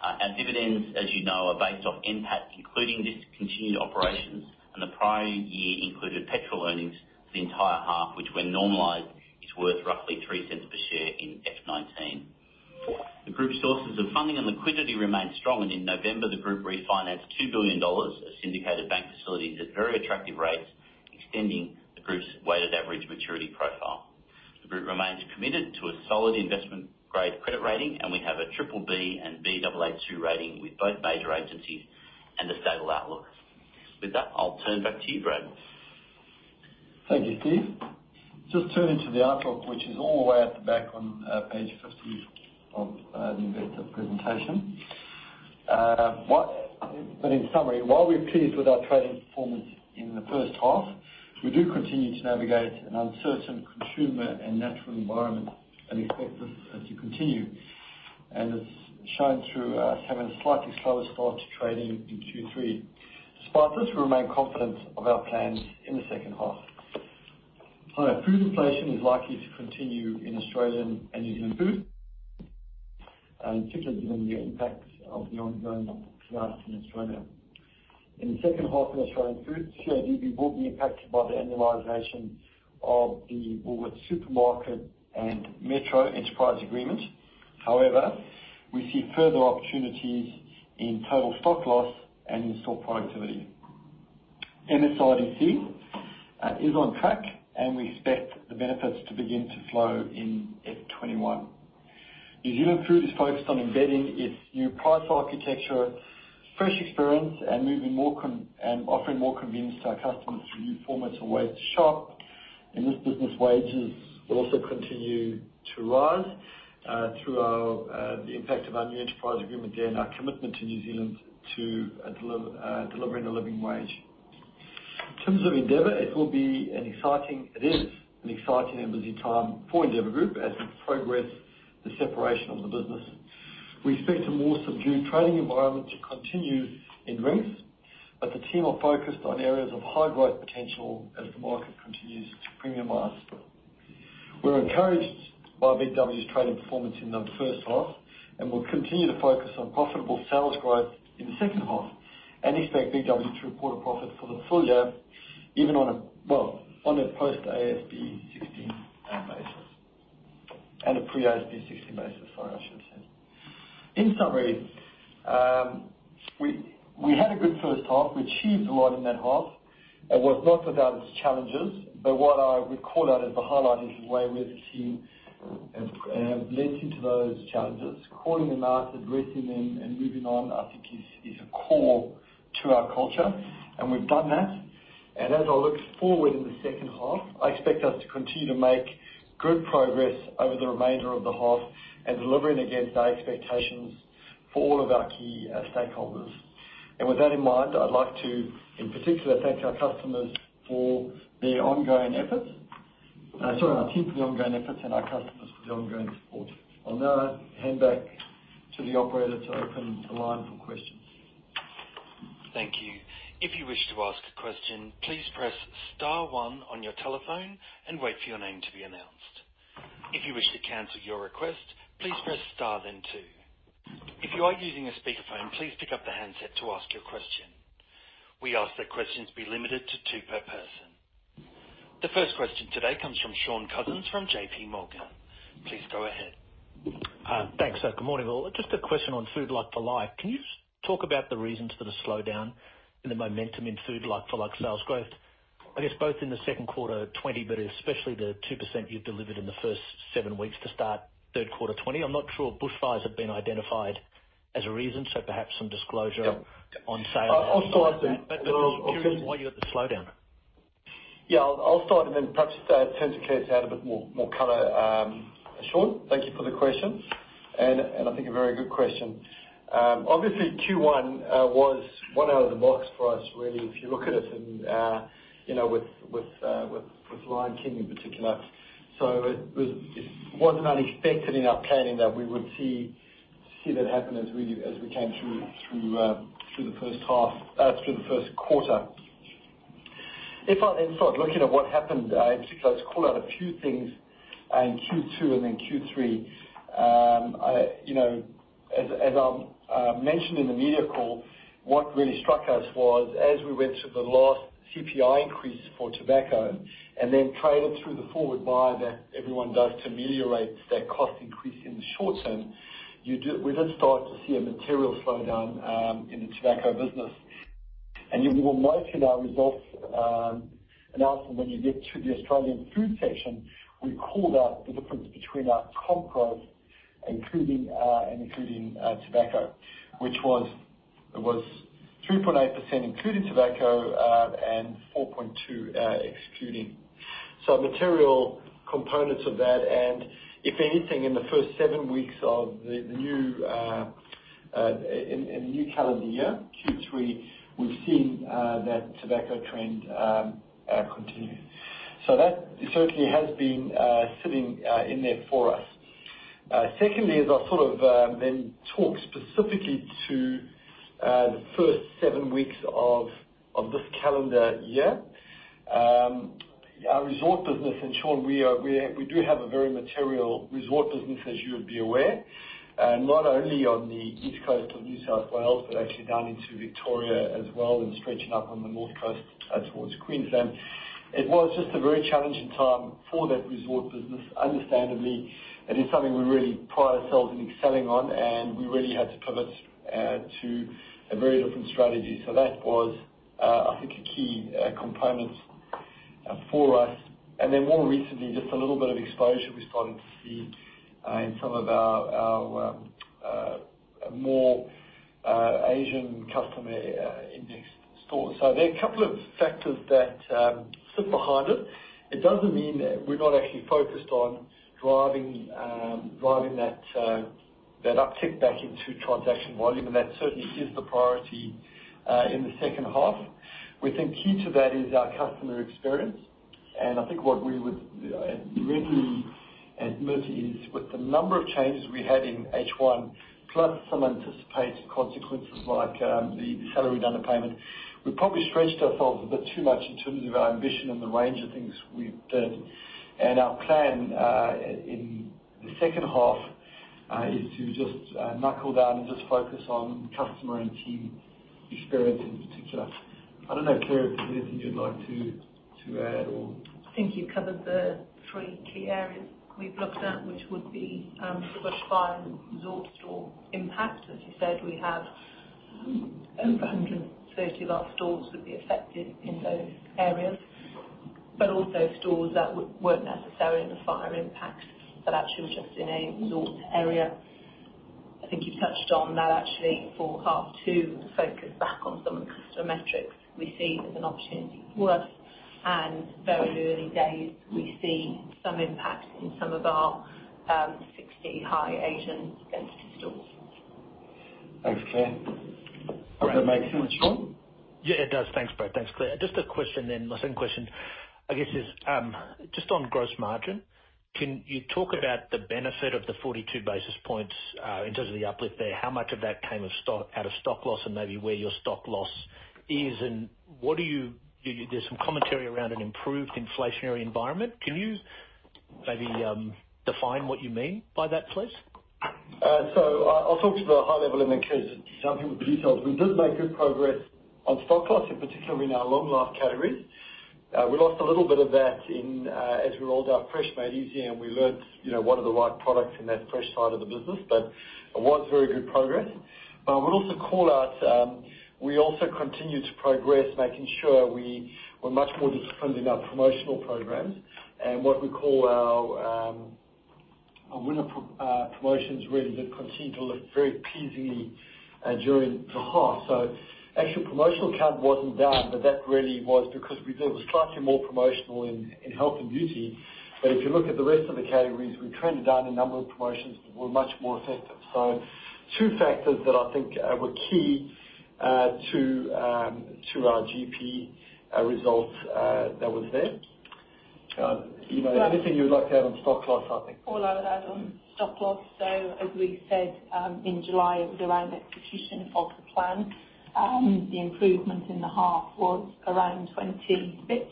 S3: Our dividends, as you know, are based off NPAT, including discontinued operations, and the prior year included petrol earnings for the entire half, which when normalized, is worth roughly 0.03 per share in F19. The group's sources of funding and liquidity remain strong, and in November, the group refinanced 2 billion dollars of syndicated bank facilities at very attractive rates, extending the group's weighted average maturity profile. The group remains committed to a solid investment grade credit rating, and we have a triple B and B double A two rating with both major agencies and a stable outlook. With that, I'll turn back to you, Brad.
S2: Thank you, Steve. Just turning to the outlook, which is all the way at the back on page fifteen of the investor presentation. But in summary, while we're pleased with our trading performance in the first half, we do continue to navigate an uncertain consumer and natural environment and expect this to continue. And it's shown through us having a slightly slower start to trading in Q3. Despite this, we remain confident of our plans in the second half. So food inflation is likely to continue in Australian and New Zealand food, particularly given the impact of the ongoing droughts in Australia. In the second half of Australian foods, CAGB will be impacted by the annualization of the Woolworths Supermarket and Metro enterprise agreement. However, we see further opportunities in total stock loss and in-store productivity. MSRDC is on track, and we expect the benefits to begin to flow in F21. New Zealand Food is focused on embedding its new price architecture, fresh experience, and moving more and offering more convenience to our customers through new formats and ways to shop. In this business, wages will also continue to rise through our the impact of our new enterprise agreement there, and our commitment to New Zealand to delivering a living wage. In terms of Endeavour, it will be an exciting. It is an exciting and busy time for Endeavour Group as we progress the separation of the business. We expect a more subdued trading environment to continue in drinks, but the team are focused on areas of high growth potential as the market continues to premiumize. We're encouraged by BWS's trading performance in the first half, and we'll continue to focus on profitable sales growth in the second half, and expect BWS to report a profit for the full year, even on a well, on a post AASB 16 basis, and a pre AASB 16 basis, sorry, I should say. In summary, we had a good first half. We achieved a lot in that half. It was not without its challenges, but what I would call out as the highlight is the way we, as a team, have leapt into those challenges, calling them out, addressing them, and moving on, I think is a core to our culture, and we've done that. As I look forward in the second half, I expect us to continue to make good progress over the remainder of the half, and delivering against our expectations for all of our key stakeholders. With that in mind, I'd like to, in particular, thank our customers for their ongoing efforts. Sorry, our team for the ongoing efforts and our customers for the ongoing support. I'll now hand back to the operator to open the line for questions.
S1: Thank you. If you wish to ask a question, please press star one on your telephone and wait for your name to be announced. If you wish to cancel your request, please press star then two. If you are using a speakerphone, please pick up the handset to ask your question. We ask that questions be limited to two per person. The first question today comes from Shaun Cousins from J.P. Morgan. Please go ahead.
S4: Thanks. So good morning, all. Just a question on Food Like-for-Like. Can you talk about the reasons for the slowdown in the momentum in Food Like-for-Like sales growth? I guess, both in the Q2 2020, but especially the 2% you've delivered in the first seven weeks to start Q3 2020. I'm not sure if bushfires have been identified as a reason, so perhaps some disclosure.
S2: Yep.
S4: -on sales.
S2: I'll start-
S4: But I'm curious why you had the slowdown?
S2: Yeah, I'll start and then perhaps turn to Claire to add a bit more color, Shaun. Thank you for the question, and I think a very good question. Obviously, Q1 was one out of the box for us, really, if you look at it and you know, with Lion King in particular. So it was not unexpected in our planning that we would see that happen as we came through the first half, through the first quarter. If, in fact, looking at what happened, in particular, to call out a few things in Q2 and then Q3, I, you know, as I mentioned in the media call, what really struck us was, as we went through the last CPI increase for tobacco, and then traded through the forward buy that everyone does to ameliorate that cost increase in the short term, we did start to see a material slowdown in the tobacco business. And you will note in our results announcement, when you get to the Australian food section, we called out the difference between our comp growth, including and excluding tobacco. Which was, it was 3.8%, including tobacco, and 4.2%, excluding. So material components of that, and if anything, in the first seven weeks of the new calendar year, Q3, we've seen that tobacco trend continue. So that certainly has been sitting in there for us. Secondly, as I sort of then talk specifically to the first seven weeks of this calendar year, our resort business, and Shaun, we do have a very material resort business, as you would be aware, and not only on the east coast of New South Wales, but actually down into Victoria as well, and stretching up on the north coast towards Queensland. It was just a very challenging time for that resort business. Understandably, it is something we really pride ourselves in excelling on, and we really had to pivot to a very different strategy. So that was, I think, a key component for us. And then more recently, just a little bit of exposure we started to see in some of our more Asian customer indexed stores. So there are a couple of factors that sit behind it. It doesn't mean that we're not actually focused on driving that uptick back into transaction volume, and that certainly is the priority in the second half. We think key to that is our customer experience, and I think what we would really admit is, with the number of changes we had in H1, plus some anticipated consequences, like the salary underpayment, we probably stretched ourselves a bit too much in terms of our ambition and the range of things we've done. And our plan in the second half is to just knuckle down and just focus on customer and team experience in particular. I don't know, Claire, if there's anything you'd like to add or?
S5: I think you've covered the three key areas we've looked at, which would be the bushfire and rural store impact. As you said, we have over 130 large stores that would be affected in those areas, but also stores that weren't necessarily in the fire impact, but actually just in a rural area. I think you've touched on that actually for H2, the focus back on some of the customer metrics we see as an opportunity for us, and very early days, we see some impact in some of our 60 high Asian density stores.
S2: Thanks, Claire. Does that make sense, Shaun?
S4: Yeah, it does. Thanks, Brad. Thanks, Claire. Just a question then, my second question, I guess, is just on gross margin, can you talk about the benefit of the forty-two basis points in terms of the uplift there? How much of that came of stock, out of stock loss, and maybe where your stock loss is, and what do you do? There's some commentary around an improved inflationary environment? Can you maybe define what you mean by that, please?
S2: I'll talk to the high level and then Claire will jump in with the details. We did make good progress on stock loss, and particularly in our long life categories. We lost a little bit of that in as we rolled out Fresh Made Easy, and we learned, you know, what are the right products in that fresh side of the business, but it was very good progress. But I would also call out, we also continued to progress, making sure we were much more disciplined in our promotional programs and what we call our winning promotions really did continue to look very pleasing during the half. Actual promotional count wasn't down, but that really was because we were slightly more promotional in health and beauty. But if you look at the rest of the categories, we traded down a number of promotions that were much more effective. So two factors that I think were key to our GP results that was there. You know, anything you'd like to add on stock loss, I think?
S5: All I would add on stock loss, so as we said, in July, it was around execution of the plan. The improvement in the half was around 20 basis points,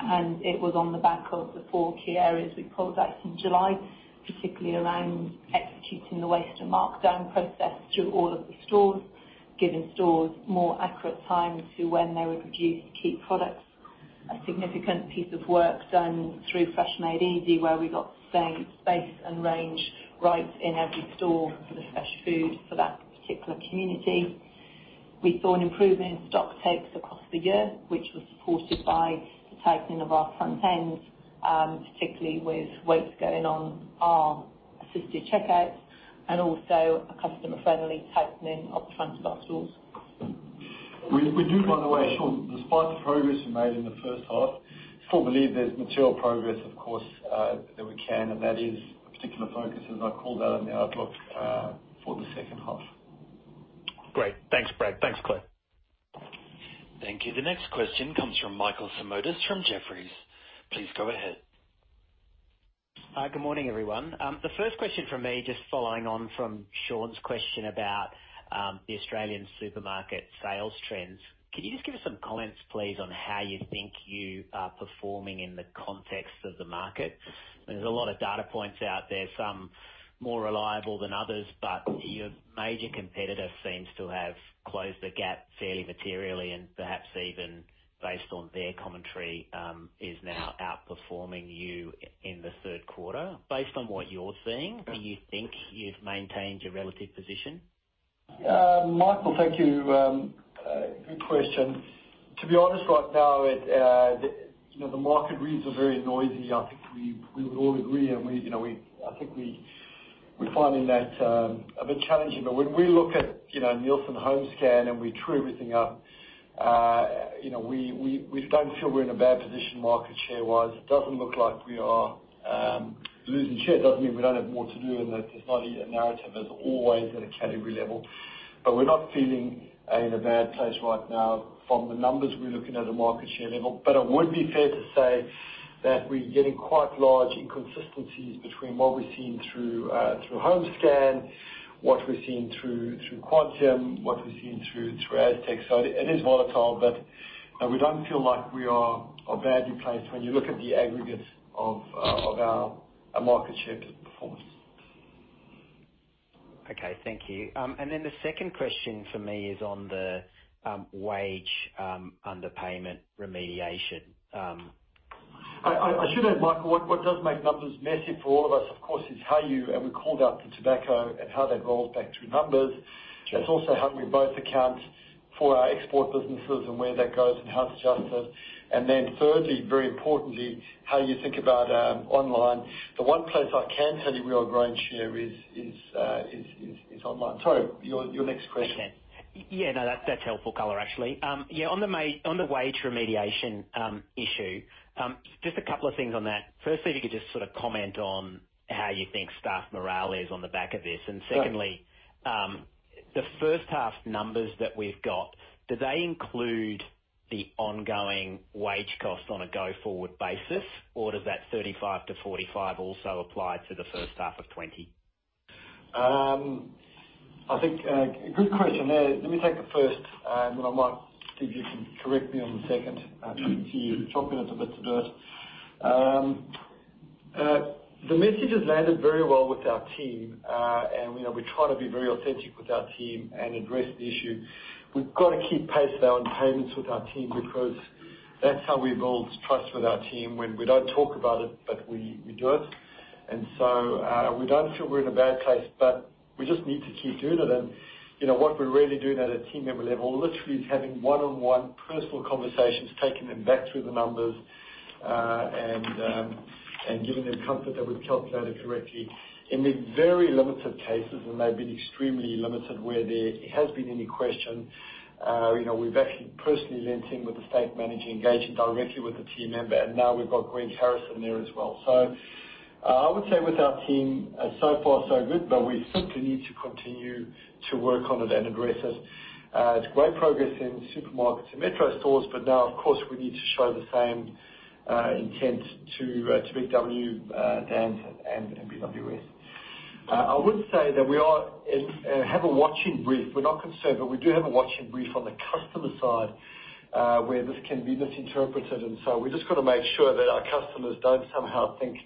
S5: and it was on the back of the four key areas we called out in July, particularly around executing the waste and markdown process through all of the stores, giving stores more accurate time to when they would produce key products. A significant piece of work done through Fresh Made Easy, where we got same space and range rights in every store for the fresh food for that particular community. We saw an improvement in stock takes across the year, which was supported by the tightening of our front ends, particularly with weights going on our assisted checkouts and also a customer-friendly tightening of the front of our stores.
S2: We do, by the way, Shaun, despite the progress we made in the first half, still believe there's material progress, of course, that we can, and that is a particular focus, as I called out in the outlook, for the second half.
S4: Great. Thanks, Brad. Thanks, Claire.
S1: Thank you. The next question comes from Michael Simotas from Jefferies. Please go ahead.
S6: Hi, good morning, everyone. The first question from me, just following on from Sean's question about the Australian supermarket sales trends. Can you just give us some comments, please, on how you think you are performing in the context of the market? There's a lot of data points out there, some more reliable than others, but your major competitor seems to have closed the gap fairly materially and perhaps even based on their commentary, is now outperforming you in the third quarter. Based on what you're seeing, do you think you've maintained your relative position?
S2: Michael, thank you. Good question. To be honest, right now, the market reads are very noisy. I think we would all agree, and we you know we're finding that a bit challenging. But when we look at Nielsen Homescan, and we true everything up, you know, we don't feel we're in a bad position market share-wise. It doesn't look like we are losing share. It doesn't mean we don't have more to do, and that there's not a narrative as always at a category level. But we're not feeling in a bad place right now from the numbers we're looking at the market share level. But it would be fair to say that we're getting quite large inconsistencies between what we're seeing through HomeScan, what we're seeing through Quantium, what we're seeing through Aztec. So it is volatile, but we don't feel like we are badly placed when you look at the aggregate of our market share performance.
S6: Okay, thank you, and then the second question for me is on the wage underpayment remediation.
S2: I should add, Michael, what does make numbers messy for all of us, of course, is how you... And we called out the tobacco and how that rolls back through numbers.
S6: Sure.
S2: It's also how we both account for our export businesses and where that goes and how it's adjusted. And then thirdly, very importantly, how you think about online. The one place I can tell you we are growing share is online. Sorry, your next question?
S6: Okay. Yeah, no, that's, that's helpful color, actually. Yeah, on the wage remediation issue, just a couple of things on that. Firstly, if you could just sort of comment on how you think staff morale is on the back of this.
S2: Sure.
S6: Secondly, the first half numbers that we've got, do they include the ongoing wage cost on a go-forward basis, or does that 35-45 also apply to the H1 2020?
S2: I think, good question there. Let me take the first, and then I might, Steve, you can correct me on the second. See you chomping at the bit to do it. The message has landed very well with our team, and, you know, we try to be very authentic with our team and address the issue. We've got to keep pace with our own payments with our team, because that's how we build trust with our team, when we don't talk about it, but we do it. And so, we don't feel we're in a bad place, but we just need to keep doing it. And, you know, what we're really doing at a team member level, literally is having one-on-one personal conversations, taking them back through the numbers, and giving them comfort that we've calculated correctly. In the very limited cases, and they've been extremely limited, where there has been any question, you know, we've actually personally lent in with the state manager, engaging directly with the team member, and now we've got Stephen Harrison in there as well. So, I would say with our team, so far, so good, but we simply need to continue to work on it and address it. It's great progress in supermarkets and Metro stores, but now, of course, we need to show the same intent to Big W, Dan's and BWS. I would say that we are have a watching brief. We're not concerned, but we do have a watching brief on the customer side, where this can be misinterpreted. And so we've just got to make sure that our customers don't somehow think,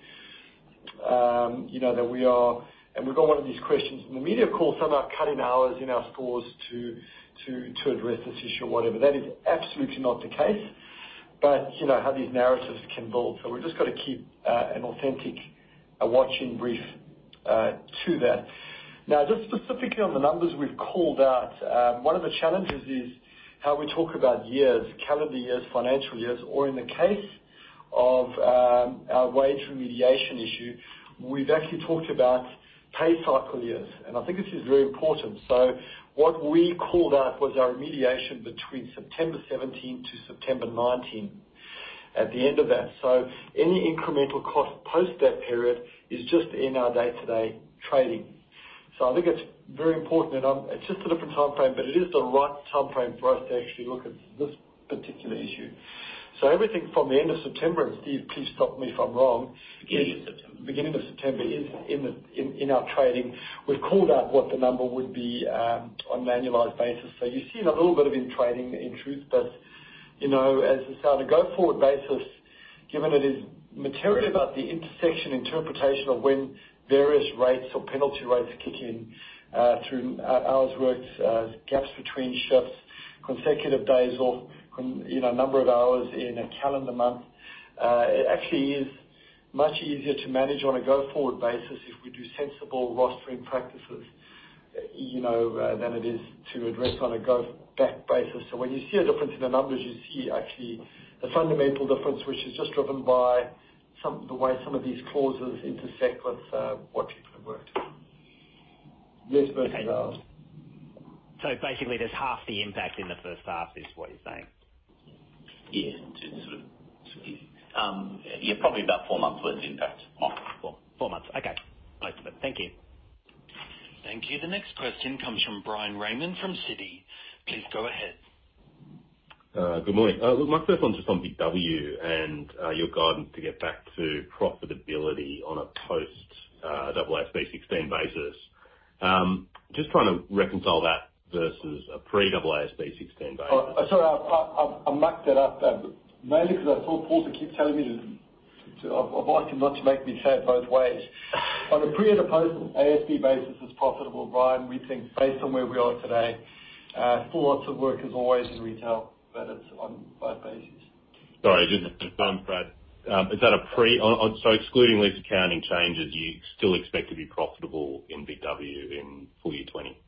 S2: you know, that we are. And we've got one of these questions in the media call, somehow cutting hours in our stores to address this issue or whatever. That is absolutely not the case, but, you know, how these narratives can build. So we've just got to keep an authentic, a watching brief to that. Now, just specifically on the numbers we've called out, one of the challenges is how we talk about years, calendar years, financial years, or in the case of our wage remediation issue, we've actually talked about pay cycle years, and I think this is very important. So what we called out was our remediation between September 2017 to September 2019, at the end of that. So any incremental cost post that period is just in our day-to-day trading. So I think it's very important, and it's just a different timeframe, but it is the right timeframe for us to actually look at this particular issue. So everything from the end of September, and Steve, please stop me if I'm wrong.
S3: Beginning of September.
S2: Beginning of September is in the our trading. We've called out what the number would be on an annualized basis. So you've seen a little bit of it in trading, in truth. But, you know, as I said, on a go-forward basis, given it is materially about the intersection interpretation of when various rates or penalty rates kick in through hours worked, gaps between shifts, consecutive days off, you know, number of hours in a calendar month, it actually is much easier to manage on a go-forward basis if we do sensible rostering practices, you know, than it is to address on a go-back basis. So when you see a difference in the numbers, you see actually a fundamental difference, which is just driven by the way some of these clauses intersect with watching it work. Yes, versus hours.
S6: So basically, there's half the impact in the first half, is what you're saying?
S3: Yeah, to sort of speak. Yeah, probably about four months' worth of impact.
S6: Oh, 4months. Okay. Most of it. Thank you.
S1: Thank you. The next question comes from Bryan Raymond, from Citi. Please go ahead.
S7: Good morning. My first one's just on Big W and your guidance to get back to profitability on a post AASB 16 basis. Just trying to reconcile that versus a pre-AASB 16 basis.
S2: Sorry, I mucked it up, mainly because I saw Paul keep telling me to. I've asked him not to make me say it both ways. On a pre and a post AASB basis is profitable, Brian, we think based on where we are today, still lots of work as always in retail, but it's on both bases.
S7: Sorry, just to confirm, Brad, so excluding lease accounting changes, do you still expect to be profitable in Big W in full year 2020?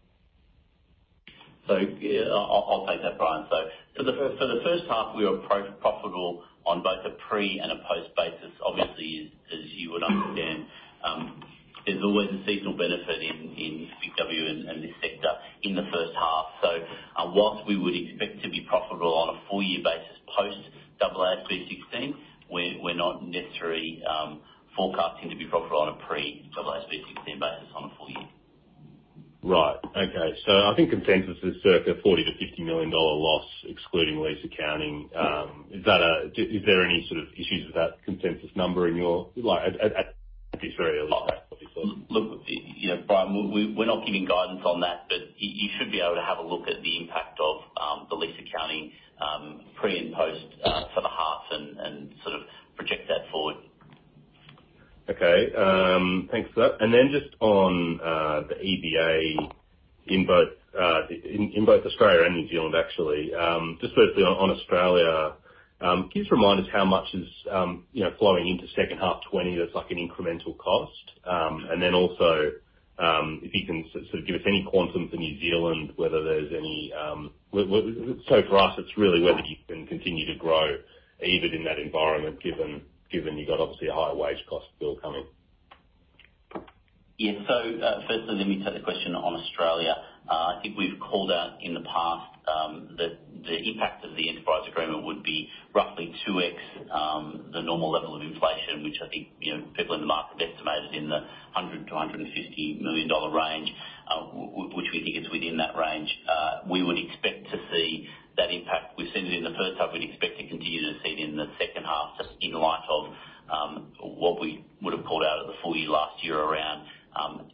S3: Yeah, I'll take that, Bryan. For the first half, we were profitable on both a pre and a post basis. Obviously, as you would understand, there's always a seasonal benefit in Big W and this sector in the first half. While we would expect to be profitable on a full year basis post AASB 16, we're not necessarily forecasting to be profitable on a pre-AASB 16 basis on a full year.
S7: Right. Okay. So I think consensus is circa 40 million-50 million dollar loss, excluding lease accounting. Is there any sort of issues with that consensus number in your, like, at this very early stage, obviously?
S3: Look, you know, Brian, we, we're not giving guidance on that, but you should be able to have a look at the impact of the lease accounting, pre and post, for the halves and sort of project that forward.
S7: Okay, thanks for that. And then just on the EBA in both Australia and New Zealand, actually. Just firstly on Australia, can you just remind us how much is, you know, flowing into second half 2020, that's like an incremental cost? And then also, if you can sort of give us any quantum for New Zealand, whether there's any... So for us, it's really whether you can continue to grow even in that environment, given you've got obviously a higher wage cost bill coming.
S3: Yeah. So, firstly, let me take the question on Australia. I think we've called out in the past, that the impact of the Enterprise Agreement would be roughly 2x the normal level of inflation, which I think, you know, people in the market have estimated in the 100-150 million dollar range, which we think is within that range. We would expect to see that impact. We've seen it in the first half, we'd expect to continue to see it in the second half, just in light of, what we would've called out at the full year last year around,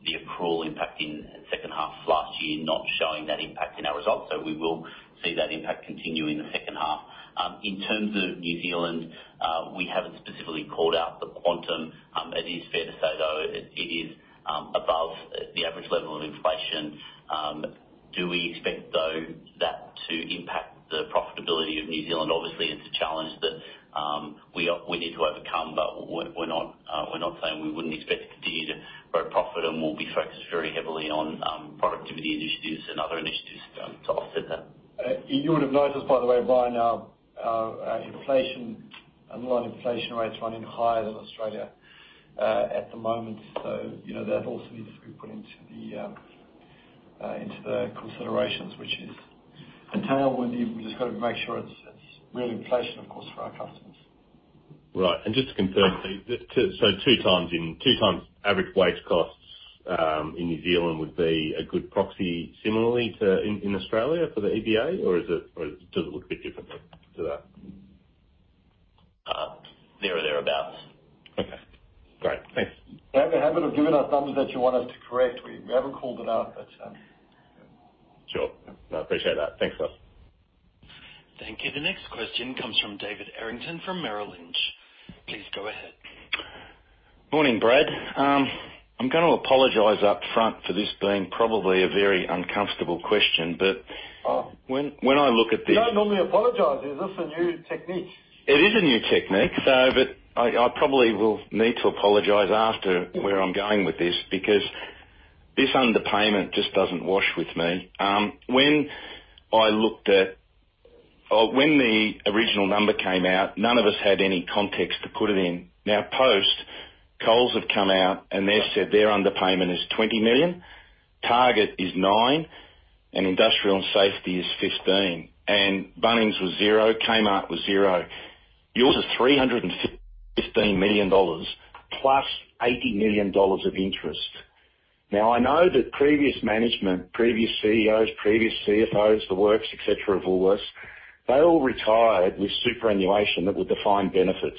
S3: the accrual impact in the second half of last year, not showing that impact in our results. So we will see that impact continue in the second half. In terms of New Zealand, we haven't specifically called out the quantum. It is fair to say, though, it is above the average level of inflation. Do we expect, though, that to impact the profitability of New Zealand? Obviously, it's a challenge that we need to overcome, but we're not saying we wouldn't expect to continue to grow profit, and we'll be focused very heavily on productivity initiatives and other initiatives to offset that.
S2: You would have noticed, by the way, Bryan, our inflation, underlying inflation rates running higher than Australia at the moment. So, you know, that also needs to be put into the considerations, which is entailed with you. We just got to make sure it's real inflation, of course, for our customers.
S7: Right. And just to confirm, two times average wage costs in New Zealand would be a good proxy similarly to in Australia for the EBA? Or does it look a bit differently to that?
S3: There or thereabouts.
S7: Okay. Great, thanks.
S2: You have a habit of giving us numbers that you want us to correct. We haven't called it out, but,
S7: Sure. No, I appreciate that. Thanks guys.
S1: Thank you. The next question comes from David Errington from Merrill Lynch. Please go ahead.
S8: Morning, Brad. I'm going to apologize up front for this being probably a very uncomfortable question, but-
S2: Oh.
S8: When I look at this-
S2: You don't normally apologize. Is this a new technique?
S8: It is a new technique, so but I probably will need to apologize after where I'm going with this, because this underpayment just doesn't wash with me. When the original number came out, none of us had any context to put it in. Now, post, Coles have come out, and they've said their underpayment is 20 million, Target is 9 million, and Industrial Safety is 15 million, and Bunnings was 0, Kmart was 0. Yours is 315 million dollars, plus 80 million dollars of interest. Now, I know that previous management, previous CEOs, previous CFOs, the works, et cetera, of Woolworths, they all retired with defined benefit superannuation.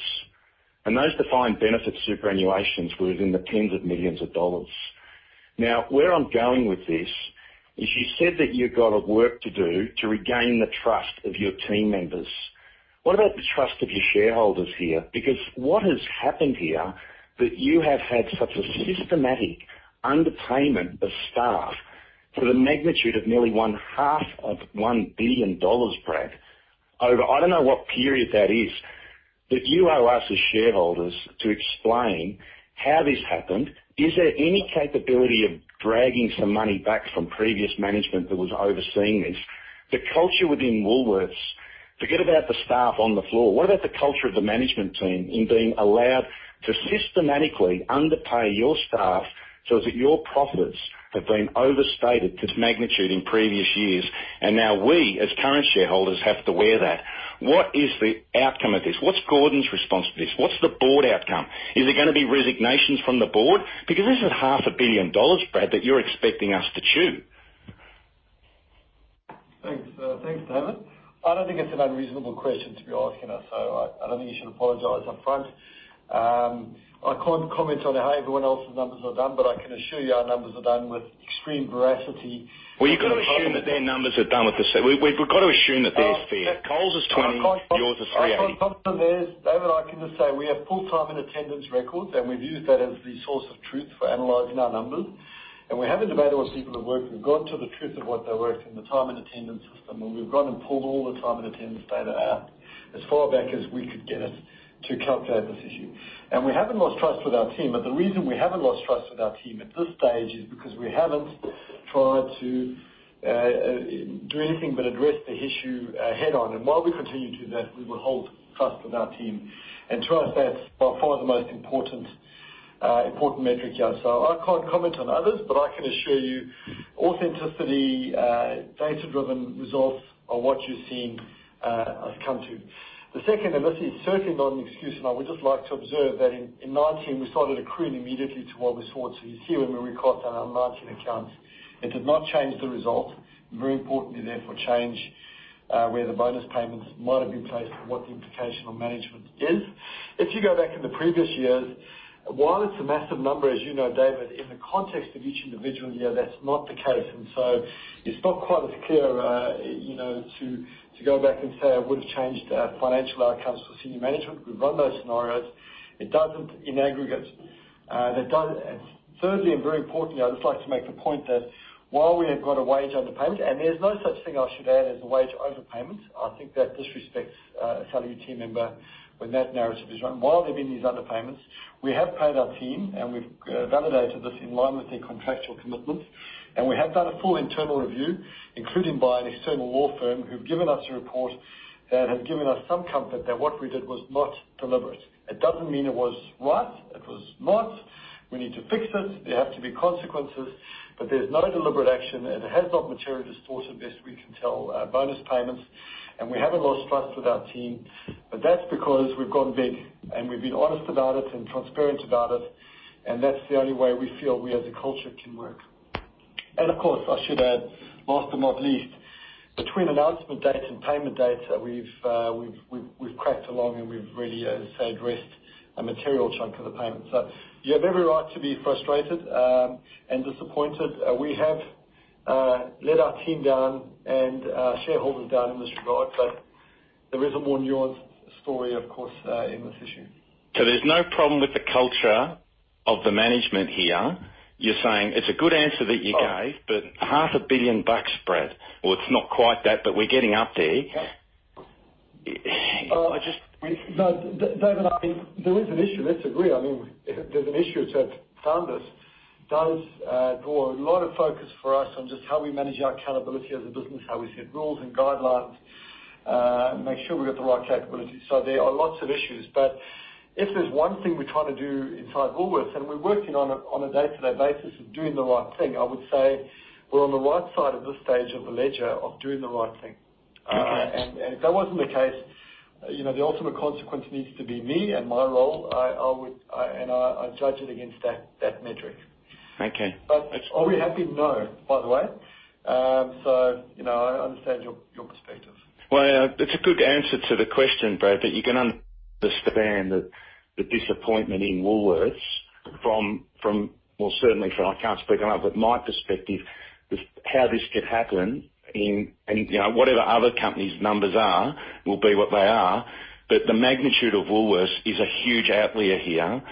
S8: And those defined benefit superannuation were in the tens of millions of dollars. Now, where I'm going with this, is you said that you've got work to do to regain the trust of your team members. What about the trust of your shareholders here? Because what has happened here, that you have had such a systematic underpayment of staff to the magnitude of nearly 500 million dollars, Brad, over I don't know what period that is, but you owe us as shareholders to explain how this happened. Is there any capability of dragging some money back from previous management that was overseeing this? The culture within Woolworths, forget about the staff on the floor, what about the culture of the management team in being allowed to systematically underpay your staff so that your profits have been overstated to magnitude in previous years, and now we, as current shareholders, have to wear that. What is the outcome of this? What's Gordon's response to this? What's the board outcome? Is it gonna be resignations from the board? Because this is 500 million dollars, Brad, that you're expecting us to chew.
S2: Thanks, David. I don't think it's an unreasonable question to be asking us, so I don't think you should apologize up front. I can't comment on how everyone else's numbers are done, but I can assure you our numbers are done with extreme veracity.
S8: You've got to assume that their numbers are done with the same. We've got to assume that theirs is fair. Coles is 20, yours is 380.
S2: I can't comment on theirs. David, I can just say we have full time and attendance records, and we've used that as the source of truth for analyzing our numbers. And we haven't debated what people have worked. We've gone to the truth of what they worked in the time and attendance system, and we've gone and pulled all the time and attendance data out as far back as we could get it to calculate this issue. And we haven't lost trust with our team, but the reason we haven't lost trust with our team at this stage is because we haven't tried to do anything but address the issue head-on. And while we continue to do that, we will hold trust with our team. And to us, that's by far the most important metric here. I can't comment on others, but I can assure you authenticity, data-driven results are what you're seeing, have come to. The second, and this is certainly not an excuse, and I would just like to observe that in 2019, we started accruing immediately to what we saw. You see when we record on our margin accounts, it does not change the result. Very importantly, therefore, change where the bonus payments might have been placed and what the implication on management is. If you go back in the previous years, while it's a massive number, as you know, David, in the context of each individual year, that's not the case. It is not quite as clear, you know, to go back and say, I would have changed our financial outcomes for senior management. We've run those scenarios. It doesn't in aggregate. Thirdly, and very importantly, I'd just like to make the point that while we have got a wage underpayment, and there's no such thing I should add, as a wage overpayment, I think that disrespects a salary team member when that narrative is run. While there have been these underpayments, we have paid our team, and we've validated this in line with their contractual commitments, and we have done a full internal review, including by an external law firm, who've given us a report that has given us some comfort that what we did was not deliberate. It doesn't mean it was right. It was not. We need to fix it. There have to be consequences, but there's no deliberate action, and it has not materially distorted, as best we can tell, bonus payments, and we haven't lost trust with our team. But that's because we've gone big, and we've been honest about it and transparent about it, and that's the only way we feel we, as a culture, can work. And of course, I should add, last but not least, between announcement dates and payment dates, we've cracked along and we've really, as I say, addressed a material chunk of the payment. So you have every right to be frustrated, and disappointed. We have let our team down and our shareholders down in this regard, but there is a more nuanced story, of course, in this issue.
S8: So there's no problem with the culture of the management here. You're saying it's a good answer that you gave-
S2: Oh.
S8: but 500 million bucks, Brad. Well, it's not quite that, but we're getting up there.
S2: Yep. I just-No, David, I think there is an issue. Let's agree. I mean, there's an issue that's found us, does draw a lot of focus for us on just how we manage our accountability as a business, how we set rules and guidelines, make sure we've got the right capabilities. So there are lots of issues, but if there's one thing we're trying to do inside Woolworths, and we're working on a day-to-day basis of doing the right thing, I would say we're on the right side of this stage of the ledger of doing the right thing.
S8: Okay.
S2: If that wasn't the case, you know, the ultimate consequence needs to be me and my role. I would, and I judge it against that metric.
S8: Okay.
S2: But are we happy? No, by the way, so you know, I understand your perspective.
S8: It's a good answer to the question, Brad, but you can understand that the disappointment in Woolworths from... well, certainly from, I can't speak on it, but my perspective, with how this could happen in and, you know, whatever other companies' numbers are, will be what they are, but the magnitude of Woolworths is a huge outlier here,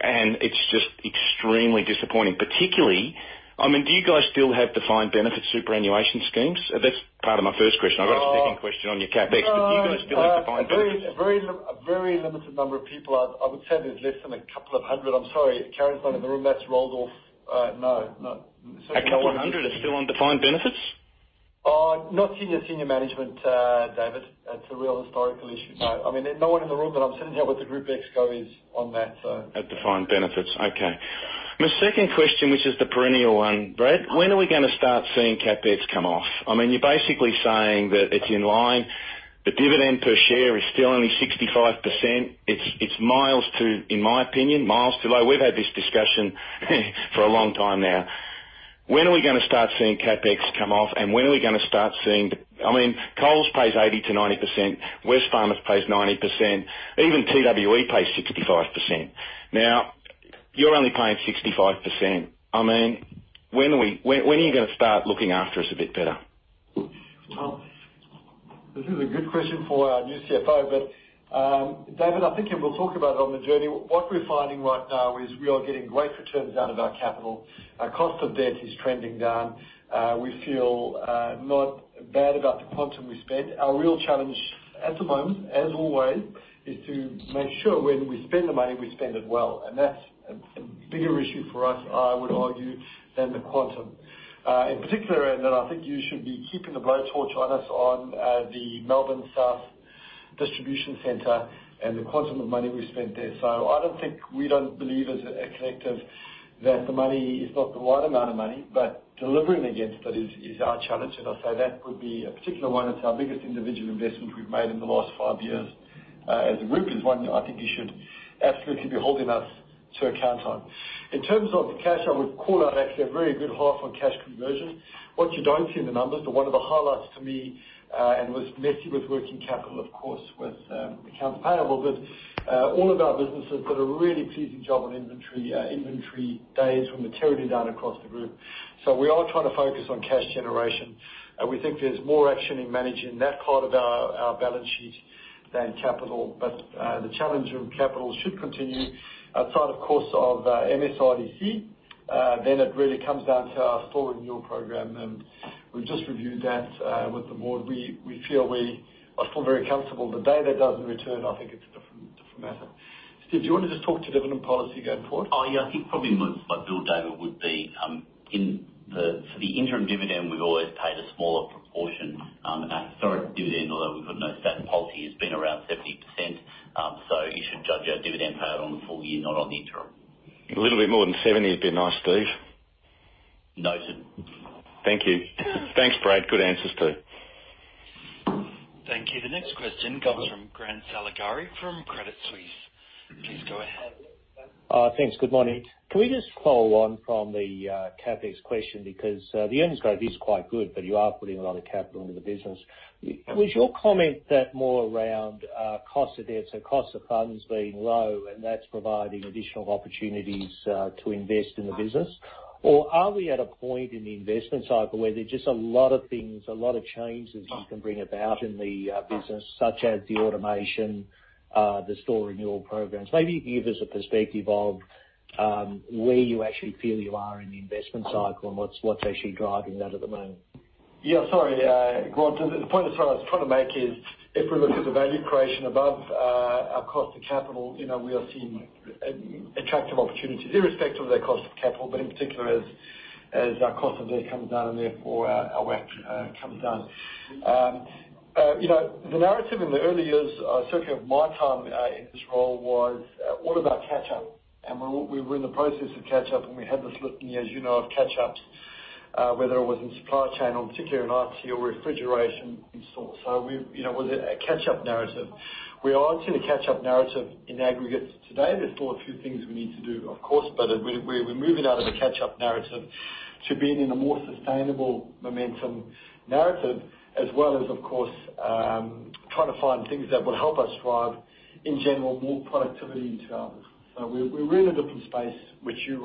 S8: and it's just extremely disappointing. Particularly, I mean, do you guys still have defined benefit superannuation schemes? That's part of my first question.
S2: Oh.
S8: I've got a second question on your CapEx, but do you guys still have defined benefits?
S2: A very limited number of people. I would say there's less than a couple of hundred. I'm sorry, Karen's not in the room. That's rolled off. No, no.
S8: Okay, 100 are still on defined benefits?
S2: Not senior management, David. It's a real historical issue, so I mean, there's no one in the room that I'm sitting here with. The Group EXCO is on that, so.
S8: At defined benefits. Okay. My second question, which is the perennial one, Brad, when are we gonna start seeing CapEx come off? I mean, you're basically saying that it's in line. The dividend per share is still only 65%. It's miles to, in my opinion, miles too low. We've had this discussion for a long time now. When are we gonna start seeing CapEx come off, and when are we gonna start seeing the... I mean, Coles pays 80%-90%. Wesfarmers pays 90%. Even TWE pays 65%. Now, you're only paying 65%. I mean, when are we-- when, when are you gonna start looking after us a bit better?
S2: This is a good question for our new CFO, but David, I think, and we'll talk about it on the journey, what we're finding right now is we are getting great returns out of our capital. Our cost of debt is trending down. We feel not bad about the quantum we spend. Our real challenge at the moment, as always, is to make sure when we spend the money, we spend it well, and that's a bigger issue for us, I would argue, than the quantum. In particular, and I think you should be keeping the blowtorch on us on the Melbourne South Distribution Centre and the quantum of money we spent there. So I don't think we don't believe as a collective that the money is not the right amount of money, but delivering against it is our challenge. I'll say that would be a particular one. It's our biggest individual investment we've made in the last five years as a group. It is one I think you should absolutely be holding us to account on. In terms of the cash, I would call out actually a very good half on cash conversion. What you don't see in the numbers, but one of the highlights to me and was messy with working capital, of course, with accounts payable. All of our businesses did a really pleasing job on inventory, inventory days from the territory down across the group. So we are trying to focus on cash generation, and we think there's more action in managing that part of our balance sheet than capital. The challenge of capital should continue outside, of course, of MSRDC. Then it really comes down to our store renewal program, and we've just reviewed that with the board. We feel we are still very comfortable. The day that doesn't return, I think it's a different matter. Steve, do you want to just talk to dividend policy going forward?
S3: Oh, yeah. I think probably my bet, David, would be for the interim dividend. We've always paid a smaller proportion, sorry, dividend, although we've got no set policy. It's been around 70%. So you should judge our dividend paid on the full year, not on the interim.
S8: A little bit more than 70 would be nice, Steve....
S3: Noted.
S8: Thank you. Thanks, Brad. Good answers, too.
S1: Thank you. The next question comes from Grant Saligari from Credit Suisse. Please go ahead.
S9: Thanks. Good morning. Can we just follow on from the CapEx question? Because the earnings growth is quite good, but you are putting a lot of capital into the business. Was your comment that more around cost of debt, so cost of funds being low, and that's providing additional opportunities to invest in the business? Or are we at a point in the investment cycle where there's just a lot of things, a lot of changes you can bring about in the business, such as the automation, the store renewal programs? Maybe you can give us a perspective of where you actually feel you are in the investment cycle and what's actually driving that at the moment.
S2: Yeah, sorry, Grant. The point I was trying to make is, if we look at the value creation above our cost of capital, you know, we are seeing attractive opportunities irrespective of their cost of capital, but in particular as our cost of debt comes down and therefore our WACC comes down. You know, the narrative in the early years certainly of my time in this role was all about catch-up, and we were in the process of catch-up, and we had the slip in the years of catch-ups, whether it was in supply chain or particularly in IT or refrigeration in store. So you know, it was a catch-up narrative. We are onto the catch-up narrative in aggregate today. There's still a few things we need to do, of course, but we're moving out of the catch-up narrative to being in a more sustainable momentum narrative, as well as, of course, trying to find things that will help us thrive in general, more productivity into our business. So we're in a different space, which you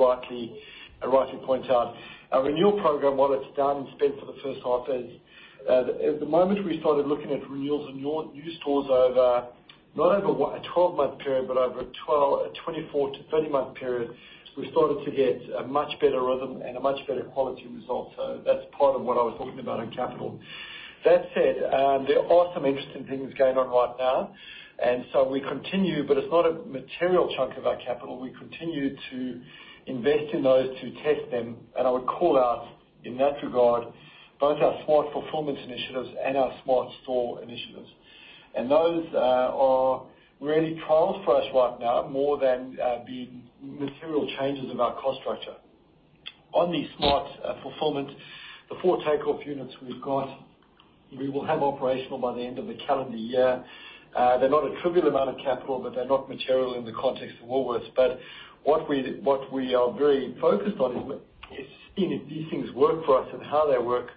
S2: rightly point out. Our renewal program, while it's down in spend for the first half, is the moment we started looking at renewals and new stores over, not over a 12-month period, but over a 24-30 month period, we started to get a much better rhythm and a much better quality result. So that's part of what I was talking about in capital. That said, there are some interesting things going on right now, and so we continue, but it's not a material chunk of our capital. We continue to invest in those to test them, and I would call out, in that regard, both our smart performance initiatives and our smart store initiatives. Those are really trials for us right now more than the material changes of our cost structure. On the smart fulfillment, the four Takeoff units we've got, we will have operational by the end of the calendar year. They're not a trivial amount of capital, but they're not material in the context of Woolworths. What we are very focused on is if these things work for us and how they work,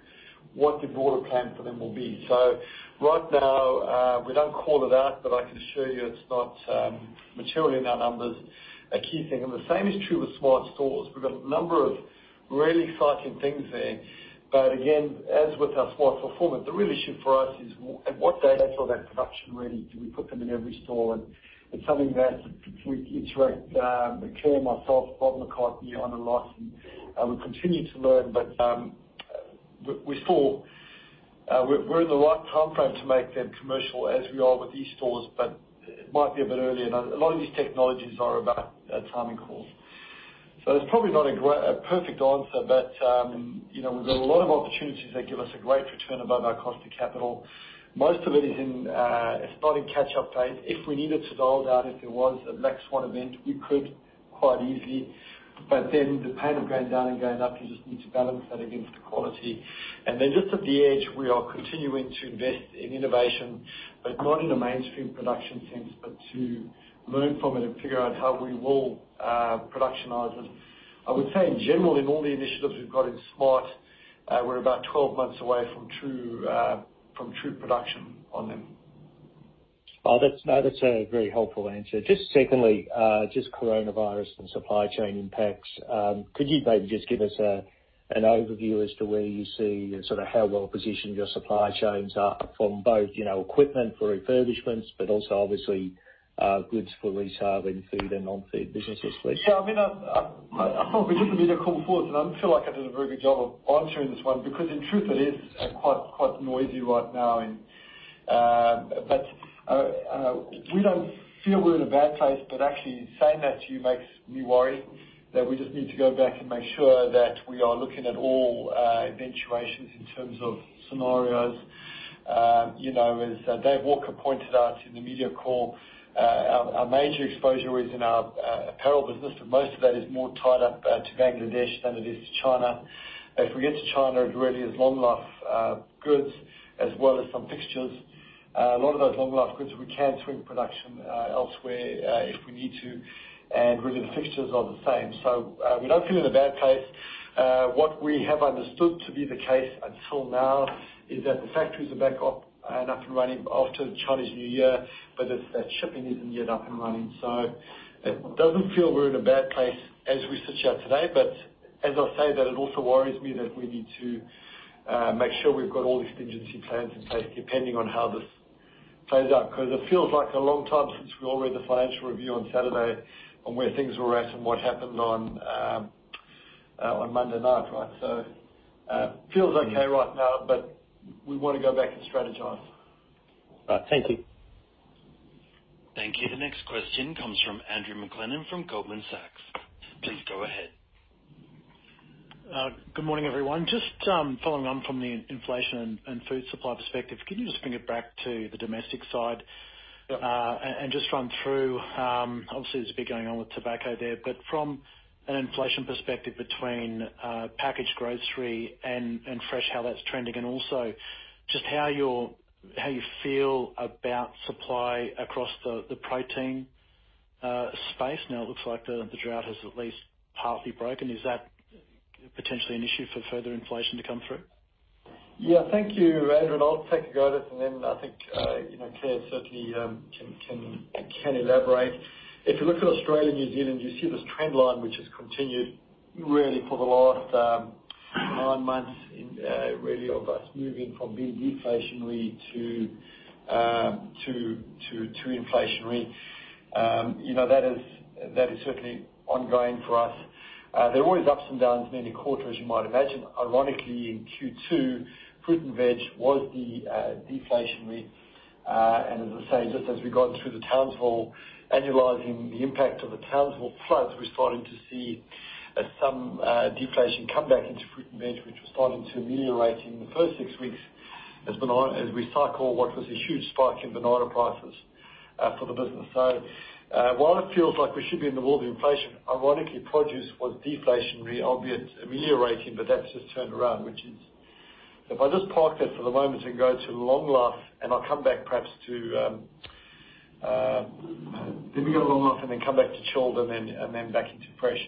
S2: what the broader plan for them will be. So right now, we don't call it out, but I can assure you it's not material in our numbers, a key thing. And the same is true with smart stores. We've got a number of really exciting things there, but again, as with our smart performance, the real issue for us is at what date for that production, really, do we put them in every store? And it's something that we iterate, Claire, myself, Bob McCarthy, on a lot, and we continue to learn, but we still, we're in the right timeframe to make them commercial as we are with these stores, but it might be a bit early. And a lot of these technologies are about timing calls. So it's probably not a perfect answer, but, you know, we've got a lot of opportunities that give us a great return above our cost of capital. Most of it is in, it's not in catch-up phase. If we needed to dial down, if there was a black swan event, we could quite easily, but then the pain of going down and going up, you just need to balance that against the quality. And then just at the edge, we are continuing to invest in innovation, but not in a mainstream production sense, but to learn from it and figure out how we will productionize it. I would say in general, in all the initiatives we've got in smart, we're about 12 months away from true production on them.
S9: Oh, that's, no, that's a very helpful answer. Just secondly, just coronavirus and supply chain impacts. Could you maybe just give us a, an overview as to where you see and sort of how well positioned your supply chains are from both, you know, equipment for refurbishments, but also obviously, goods for retail and food and non-food businesses, please?
S2: Yeah, I mean, this will be the call forwards, and I don't feel like I did a very good job of answering this one, because in truth, it is quite noisy right now. And, but, we don't feel we're in a bad place, but actually saying that to you makes me worry that we just need to go back and make sure that we are looking at all eventualities in terms of scenarios. You know, as David Walker pointed out in the media call, our major exposure is in our apparel business, but most of that is more tied up to Bangladesh than it is to China. If we get to China, it really is long-life goods as well as some fixtures. A lot of those long-life goods, we can swing production elsewhere, if we need to, and really the fixtures are the same. So, we don't feel in a bad place. What we have understood to be the case until now is that the factories are back up and up and running after Chinese New Year, but it's that shipping isn't yet up and running. So it doesn't feel we're in a bad place as we sit here today, but as I say, that it also worries me that we need to make sure we've got all these contingency plans in place, depending on how this plays out. 'Cause it feels like a long time since we all read the financial review on Saturday and where things were at and what happened on Monday night, right? Feels okay right now, but we want to go back and strategize.
S9: Thank you.
S1: Thank you. The next question comes from Andrew McLennan, from Goldman Sachs. Please go ahead.
S10: Good morning, everyone. Just following on from the inflation and food supply perspective, can you just bring it back to the domestic side? And just run through, obviously, there's a bit going on with tobacco there, but from an inflation perspective between packaged grocery and fresh, how that's trending, and also just how you feel about supply across the protein space. Now, it looks like the drought has at least partly broken. Is that potentially an issue for further inflation to come through?
S2: Yeah, thank you, Andrew, and I'll take a go at it, and then I think, you know, Claire certainly can elaborate. If you look at Australia and New Zealand, you see this trend line, which has continued really for the last nine months in really of us moving from being deflationary to inflationary. You know, that is certainly ongoing for us. There are always ups and downs in any quarter, as you might imagine. Ironically, in Q2, fruit and veg was the deflationary, and as I say, just as we've gone through the Townsville, annualizing the impact of the Townsville floods, we're starting to see some deflation come back into fruit and veg, which we're starting to ameliorate in the first six weeks as we cycle what was a huge spike in banana prices for the business. So, while it feels like we should be in the world of inflation, ironically, produce was deflationary, albeit ameliorating, but that's just turned around, which is... If I just park that for the moment and go to long life, and I'll come back perhaps to let me go to long life and then come back to chilled and then back into fresh.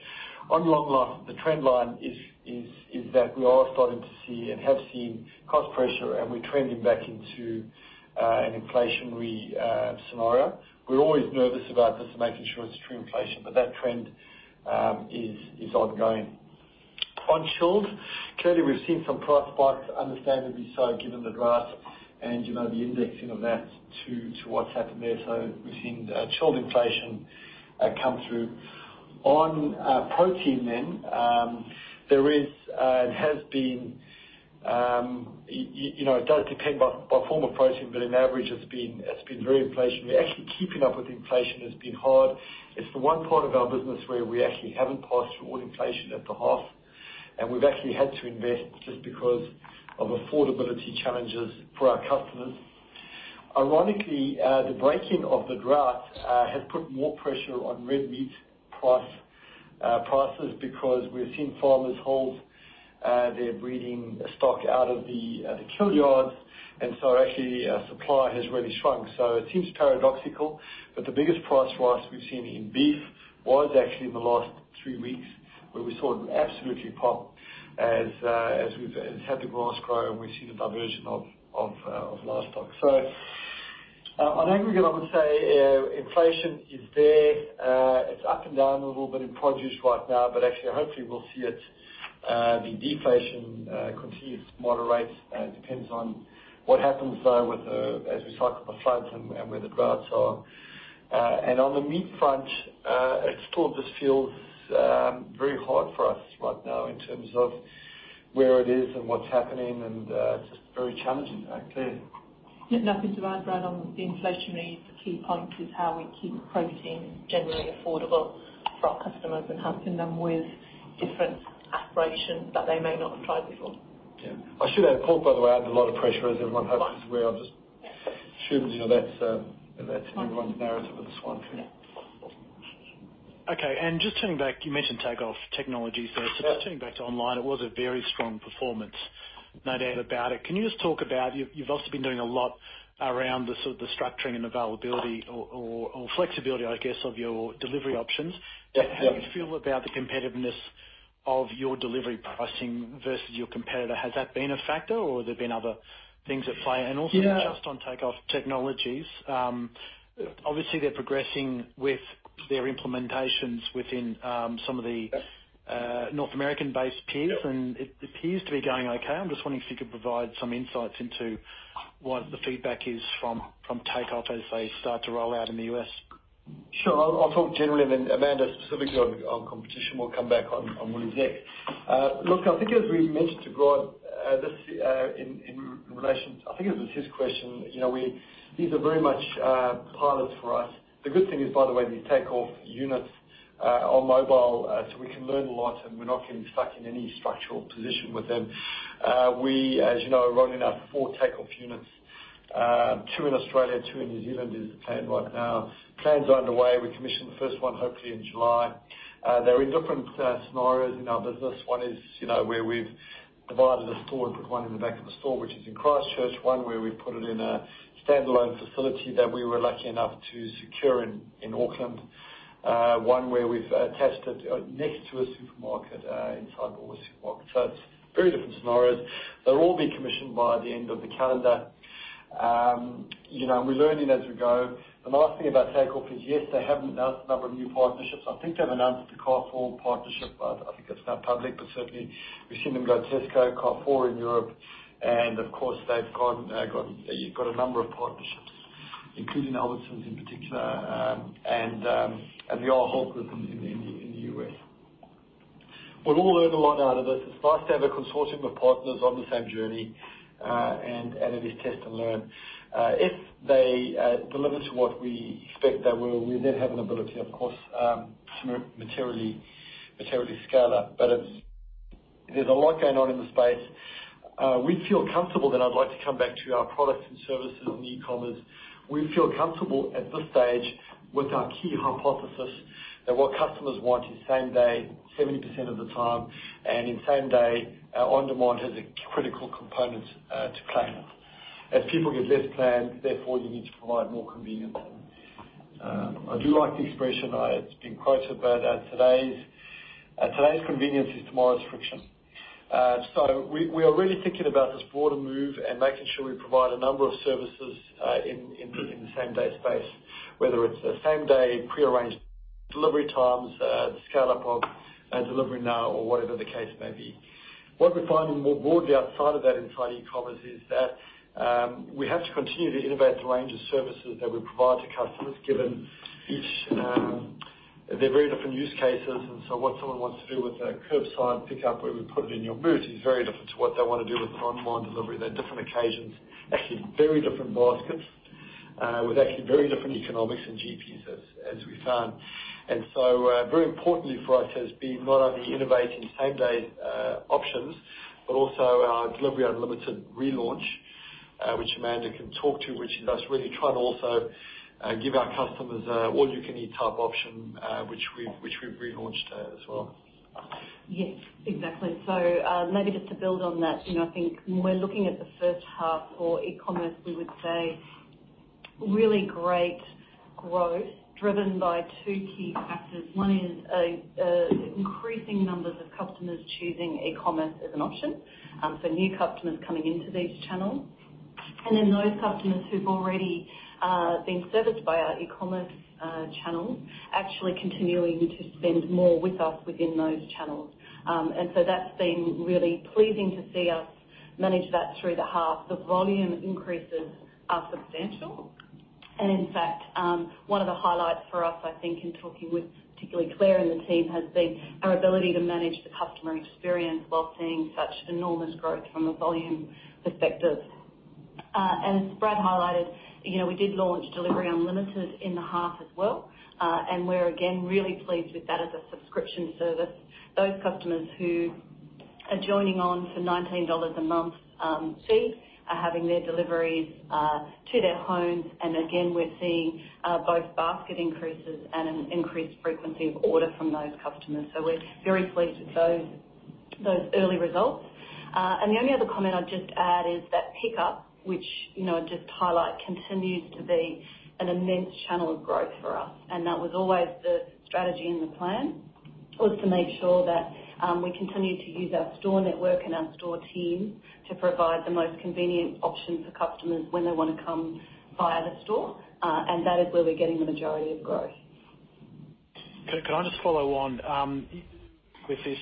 S2: On long life, the trend line is that we are starting to see and have seen cost pressure, and we're trending back into an inflationary scenario. We're always nervous about this and making sure it's true inflation, but that trend is ongoing. On chilled, clearly we've seen some price spikes, understandably so, given the drought and, you know, the indexing of that to what's happened there, so we've seen chilled inflation come through. On protein then, there is and has been, you know, it does depend by form of protein, but on average it's been very inflationary. Actually, keeping up with inflation has been hard. It's the one part of our business where we actually haven't passed through all inflation at the half, and we've actually had to invest just because of affordability challenges for our customers. Ironically, the breaking of the drought has put more pressure on red meat prices, because we've seen farmers hold their breeding stock out of the kill yards, and so actually our supply has really shrunk. So it seems paradoxical, but the biggest price rise we've seen in beef was actually in the last three weeks, where we saw it absolutely pop as we've had the grass grow and we've seen the diversion of livestock. So on aggregate, I would say inflation is there. It's up and down a little bit in produce right now, but actually hopefully we'll see it, the deflation, continue to moderate. It depends on what happens though, with as we cycle the floods and where the droughts are, and on the meat front, it still just feels very hard for us right now in terms of where it is and what's happening, and it's just very challenging, clear.
S5: Nothing to add, Brad, on the inflationary. The key point is how we keep protein generally affordable for our customers and helping them with different aspirations that they may not have tried before.
S2: Yeah. I should add, [pork], by the way, added a lot of pressure, as everyone hopes we are. Just assuming, you know, that's everyone's narrative at this point.
S10: Okay, and just turning back, you mentioned Takeoff Technologies there. So just turning back to online, it was a very strong performance, no doubt about it. Can you just talk about... You've also been doing a lot around the sort of structuring and availability or flexibility, I guess, of your delivery options.
S2: Yeah, yeah.
S10: How do you feel about the competitiveness of your delivery pricing versus your competitor? Has that been a factor, or have there been other things at play?
S2: Yeah.
S10: And also just on Takeoff Technologies, obviously they're progressing with their implementations within, some of the-
S2: Yeah...
S10: North American-based peers, and it appears to be going okay. I'm just wondering if you could provide some insights into what the feedback is from Takeoff as they start to roll out in the U.S..
S2: Sure. I'll talk generally and then Amanda, specifically on competition, will come back on what is next. Look, I think as we mentioned to Grant, this I think it was his question, you know, we these are very much pilots for us. The good thing is, by the way, the Takeoff units are mobile, so we can learn a lot and we're not getting stuck in any structural position with them. We, as you know, are rolling out four Takeoff units, two in Australia, two in New Zealand, is the plan right now. Plans are underway. We commission the first one, hopefully in July. They're in different scenarios in our business. One is, you know, where we've divided a store and put one in the back of the store, which is in Christchurch, one where we've put it in a standalone facility that we were lucky enough to secure in Auckland, one where we've tested next to a supermarket, inside Woolworths Supermarket. So it's very different scenarios. They'll all be commissioned by the end of the calendar. You know, and we're learning as we go. The last thing about Takeoff is, yes, they haven't announced a number of new partnerships. I think they've announced the Carrefour partnership, but I think that's now public. But certainly we've seen them go Tesco, Carrefour in Europe, and of course, they've got a number of partnerships, including Albertsons in particular, and the Whole Foods in the U.S.. We'll all learn a lot out of this. It's nice to have a consortium of partners on the same journey, and it is test and learn. If they deliver to what we expect, then we'll then have an ability, of course, to materially scale up, but there's a lot going on in the space. We feel comfortable. I'd like to come back to our products and services on e-commerce. We feel comfortable at this stage with our key hypothesis, that what customers want is same day 70% of the time, and in same day on-demand has a critical component to play. As people get less planned, therefore, you need to provide more convenience. I do like the expression. It's been quoted, but today's convenience is tomorrow's friction. So we are really thinking about this broader move and making sure we provide a number of services in the same day space, whether it's the same day, pre-arranged delivery times, the scale-up of Delivery Now or whatever the case may be. What we find more broadly outside of that, inside e-commerce, is that we have to continue to innovate the range of services that we provide to customers, given each, they're very different use cases. And so what someone wants to do with a curbside pickup, where we put it in your boot, is very different to what they want to do with an online delivery. They're different occasions, actually very different baskets, with actually very different economics and GPs as we've found. And so, very importantly for us has been not only innovating same-day options, but also our Delivery Unlimited relaunch, which Amanda can talk to, which is us really trying to also give our customers a all-you-can-eat type option, which we've relaunched, as well.
S11: Yes, exactly. So, maybe just to build on that, you know, I think when we're looking at the first half for e-commerce, we would say really great growth driven by two key factors. One is, increasing numbers of customers choosing e-commerce as an option, so new customers coming into these channels. And then those customers who've already, been serviced by our e-commerce, channel, actually continuing to spend more with us within those channels. And so that's been really pleasing to see us manage that through the half. The volume increases are substantial. And in fact, one of the highlights for us, I think, in talking with particularly Claire and the team, has been our ability to manage the customer experience while seeing such enormous growth from a volume perspective. And as Brad highlighted, you know, we did launch Delivery Unlimited in the half as well. And we're again really pleased with that as a subscription service. Those customers who are joining on for 19 dollars a month fee are having their deliveries to their homes. And again, we're seeing both basket increases and an increased frequency of order from those customers. So we're very pleased with those early results. And the only other comment I'd just add is that pickup, which, you know, I'll just highlight, continues to be an immense channel of growth for us, and that was always the strategy and the plan, was to make sure that we continue to use our store network and our store team to provide the most convenient option for customers when they want to come buy at a store, and that is where we're getting the majority of growth.
S10: Could I just follow on with this?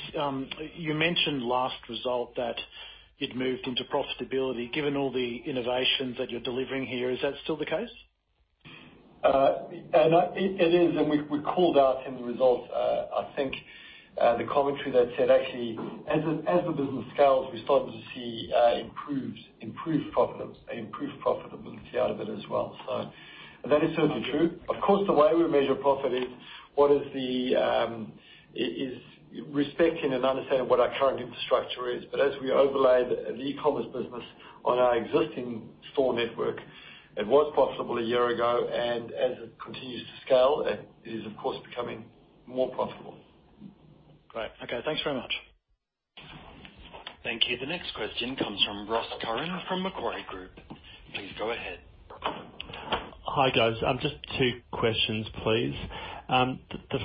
S10: You mentioned last result that you'd moved into profitability. Given all the innovations that you're delivering here, is that still the case?
S2: And it is, and we called out in the results, I think, the commentary that said actually, as the business scales, we're starting to see improved profitability out of it as well. So that is certainly true. Of course, the way we measure profit is respecting and understanding what our current infrastructure is. But as we overlay the e-commerce business on our existing store network, it was profitable a year ago, and as it continues to scale, it is, of course, becoming more profitable.
S10: Great. Okay, thanks very much.
S1: Thank you. The next question comes from Ross Curran from Macquarie Group. Please go ahead.
S12: Hi, guys. Just two questions, please. The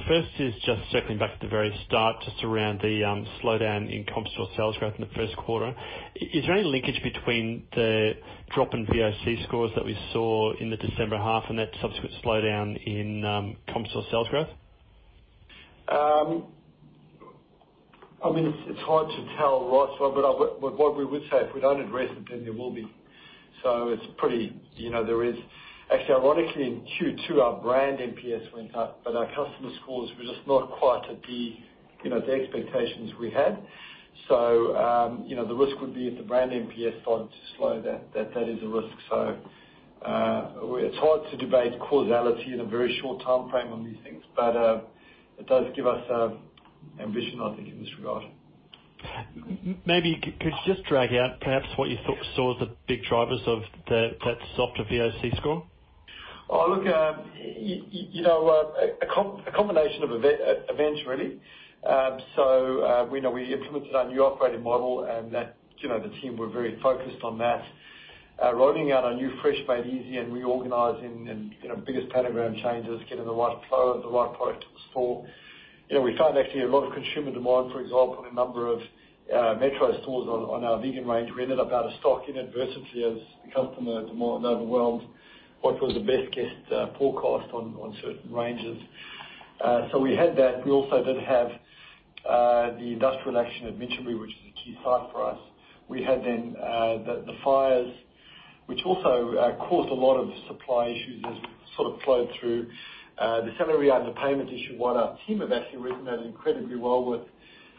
S12: first is just circling back to the very start, just around the slowdown in comp store sales growth in the first quarter. Is there any linkage between the drop in VoC scores that we saw in the December half and that subsequent slowdown in comp store sales growth?
S2: I mean, it's hard to tell, Ross, but what we would say, if we don't address it, then there will be. So it's pretty, you know, there is. Actually, ironically, in Q2, our brand NPS went up, but our customer scores were just not quite at the, you know, the expectations we had. So, you know, the risk would be if the brand NPS started to slow, that is a risk. So, it's hard to debate causality in a very short timeframe on these things, but, it does give us ambition, I think, in this regard.
S12: Maybe, could you just draw out perhaps what you saw as the big drivers of that softer VoC score?
S2: Oh, look, you know, a combination of events, really. So, we know we implemented our new operating model, and that, you know, the team were very focused on that, rolling out our new Fresh Made Easy and reorganizing and, you know, biggest category changes, getting the right flow and the right product to the store. You know, we found actually a lot of consumer demand, for example, in a number of Metro stores on our vegan range. We ended up out of stock in adversity as the customer demand overwhelmed what was the best guessed forecast on certain ranges. So we had that. We also did have the industrial action at Mitcham, which is a key site for us. We had then the fires, which also caused a lot of supply issues as sort of flowed through. The salary underpayment issue, while our team have actually risen that incredibly well with,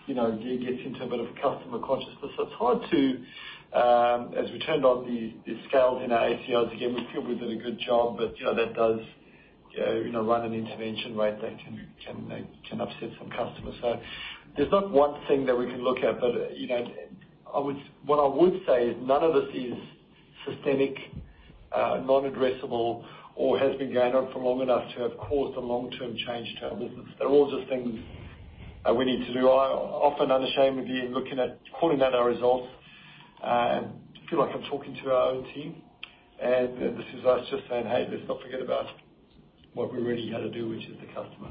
S2: you know, it gets into a bit of customer consciousness. So it's hard to as we turned on the scales in our ACLs. Again, we feel we did a good job, but, you know, that does run an intervention, right? They can upset some customers. So there's not one thing that we can look at, but, you know, I would what I would say is none of this is systemic, non-addressable, or has been going on for long enough to have caused a long-term change to our business. They're all just things we need to do. I often, unashamedly, in looking at, calling out our results, and feel like I'm talking to our own team, and this is us just saying, "Hey, let's not forget about what we really had to do, which is the customer.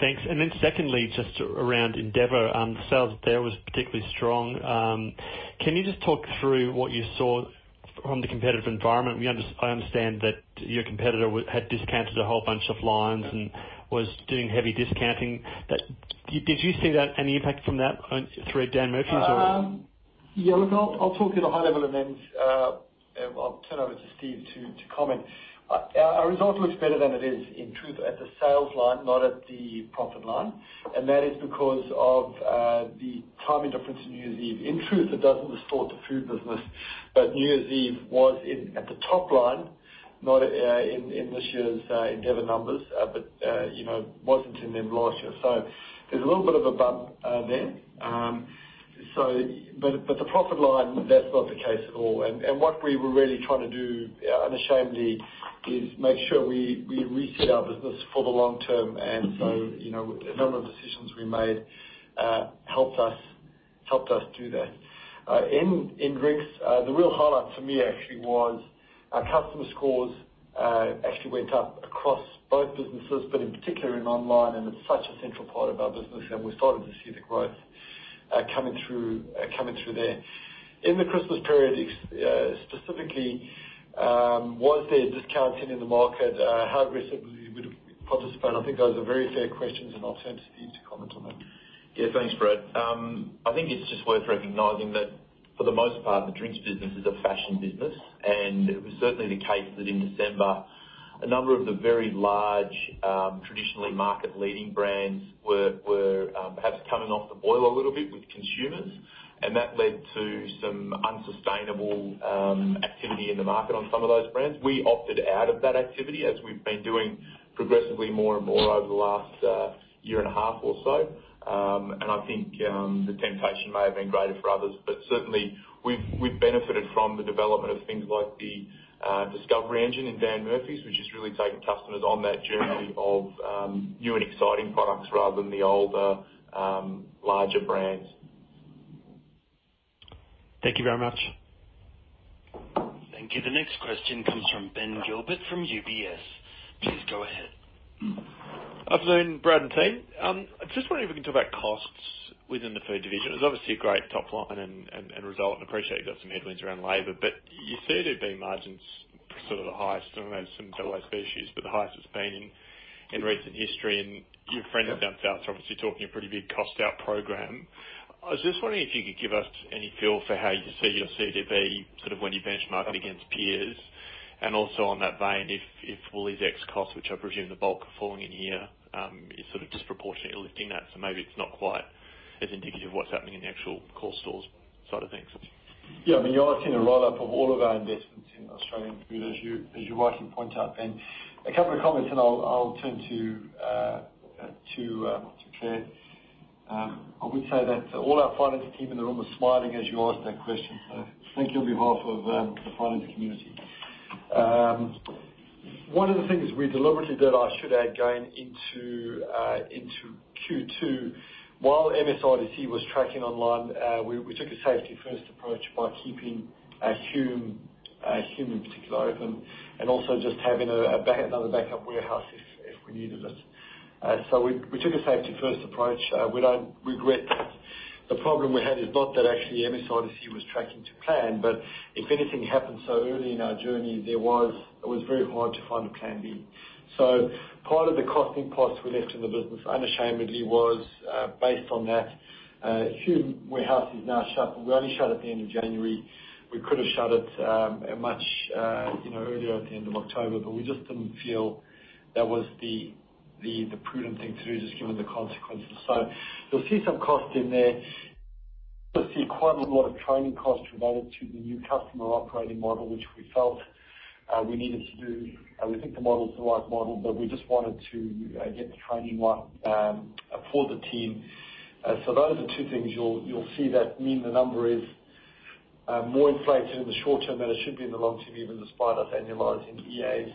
S12: Thanks. And then secondly, just around Endeavour, sales there was particularly strong. Can you just talk through what you saw from the competitive environment? I understand that your competitor had discounted a whole bunch of lines and was doing heavy discounting. But did you see any impact from that through Dan Murphy's?
S2: Yeah, look, I'll talk at a high level, and then I'll turn over to Steve to comment. Our result looks better than it is, in truth, at the sales line, not at the profit line, and that is because of the timing difference in New Year's Eve. In truth, it doesn't distort the food business, but New Year's Eve was in at the top line, not in this year's Endeavour numbers, but you know, wasn't in them last year. So there's a little bit of a bump there, but the profit line, that's not the case at all. What we were really trying to do, unashamedly, is make sure we reset our business for the long term. And so, you know, a number of decisions we made helped us do that. In Drinks, the real highlight for me actually was our customer scores actually went up across both businesses, but in particular in online, and it's such a central part of our business, and we're starting to see the growth coming through there. In the Christmas period, specifically, was there discounting in the market? How aggressively would you participate? I think those are very fair questions, and I'll turn to Steve to comment on that.
S13: Yeah, thanks, Brad. I think it's just worth recognizing that for the most part, the drinks business is a fashion business, and it was certainly the case that in December, a number of the very large, traditionally market-leading brands were perhaps coming off the boil a little bit with consumers, and that led to some unsustainable activity in the market on some of those brands. We opted out of that activity, as we've been doing progressively more and more over the last year and a half or so. I think the temptation may have been greater for others, but certainly we've benefited from the development of things like the discovery engine in Dan Murphy's, which has really taken customers on that journey of new and exciting products rather than the older larger brands.
S12: Thank you very much.
S1: Thank you. The next question comes from Ben Gilbert from UBS. Please go ahead.
S14: Afternoon, Brad and team. I'm just wondering if we can talk about costs within the food division. It's obviously a great top line and result, and appreciate you've got some headwinds around labor, but you said it being margins sort of the highest, I know some special issues, but the highest it's been in recent history, and your friend at Down South is obviously talking a pretty big cost out program. I was just wondering if you could give us any feel for how you see your CODB, sort of when you benchmark it against peers, and also in that vein, if WooliesX costs, which I presume the bulk are falling in here, is sort of disproportionately lifting that. So maybe it's not quite as indicative of what's happening in the actual core stores side of things.
S2: Yeah, I mean, you are seeing a roll-up of all of our investments in Australian food, as you rightly point out. And a couple of comments, and I'll turn to Claire. I would say that all our finance team in the room are smiling as you ask that question, so thank you on behalf of the finance community. One of the things we deliberately did, I should add, going into Q2, while MSRDC was tracking online, we took a safety first approach by keeping Hume in particular open, and also just having another backup warehouse if we needed it. So we took a safety first approach. We don't regret that. The problem we had is not that actually MSRDC was tracking to plan, but if anything happened so early in our journey, there was. It was very hard to find a plan B. So part of the costing costs we left in the business, unashamedly, was based on that. Hume warehouse is now shut, but we only shut at the end of January. We could have shut it much, you know, earlier at the end of October, but we just didn't feel that was the prudent thing to do, just given the consequences. So you'll see some cost in there. You'll see quite a lot of training costs related to the new customer operating model, which we felt we needed to do. And we think the model's the right model, but we just wanted to get the training right for the team. So those are the two things you'll see that mean the number is more inflated in the short term than it should be in the long term, even despite us annualizing EAs,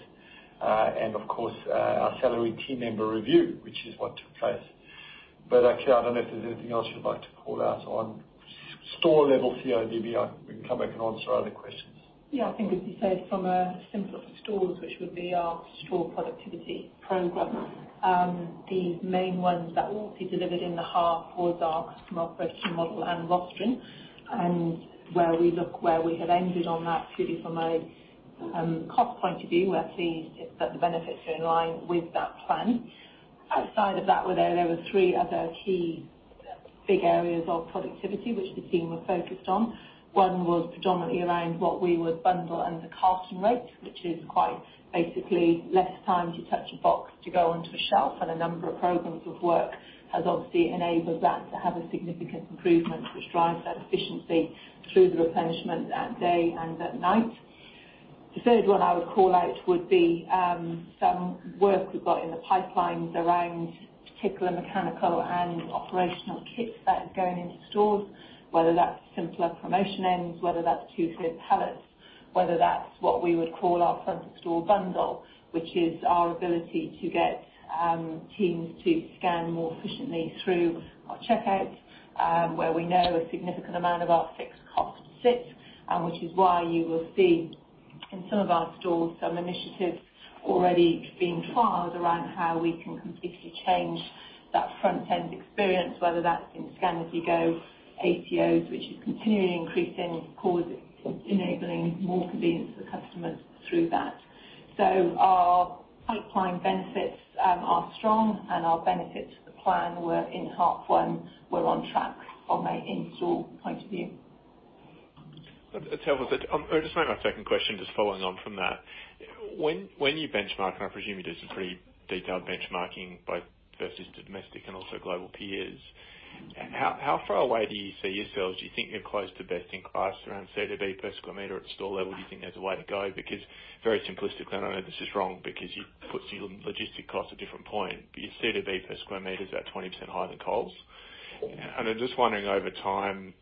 S2: and of course, our salary team member review, which is what took place. But actually, I don't know if there's anything else you'd like to call out on store level CODB. We can come back and answer other questions.
S5: Yeah, I think as you said, from a Simpler for Stores, which would be our store productivity program, the main ones that will be delivered in the half was our customer productivity model and rostering, and where we have ended on that, really from a cost point of view, we're pleased that the benefits are in line with that plan. Outside of that, well, there were three other key big areas of productivity which the team were focused on. One was predominantly around what we would bundle and the case rate, which is quite basically less time to touch a box to go onto a shelf. And a number of programs of work has obviously enabled that to have a significant improvement, which drives that efficiency through the replenishment at day and at night... The third one I would call out would be some work we've got in the pipelines around particular mechanical and operational kits that are going into stores, whether that's simpler promotion ends, whether that's two-third pallets, whether that's what we would call our front of store bundle, which is our ability to get teams to scan more efficiently through our checkouts, where we know a significant amount of our fixed costs sit, and which is why you will see in some of our stores some initiatives already being trialed around how we can completely change that front end experience, whether that's in scan-as-you-go, ACOs, which is continually increasing, enabling more convenience for customers through that. So our pipeline benefits are strong, and our benefit to the plan were in half one, we're on track from an in-store point of view.
S14: Tell us, just my second question, just following on from that. When you benchmark, and I presume you do some pretty detailed benchmarking, both versus domestic and also global peers, how far away do you see yourselves? Do you think you're close to best in class around CODB per square meter at store level? Do you think there's a way to go? Because very simplistically, I know this is wrong because you put your logistic cost at a different point, but your CODB per square meter is at 20% higher than Coles. And I'm just wondering, over time,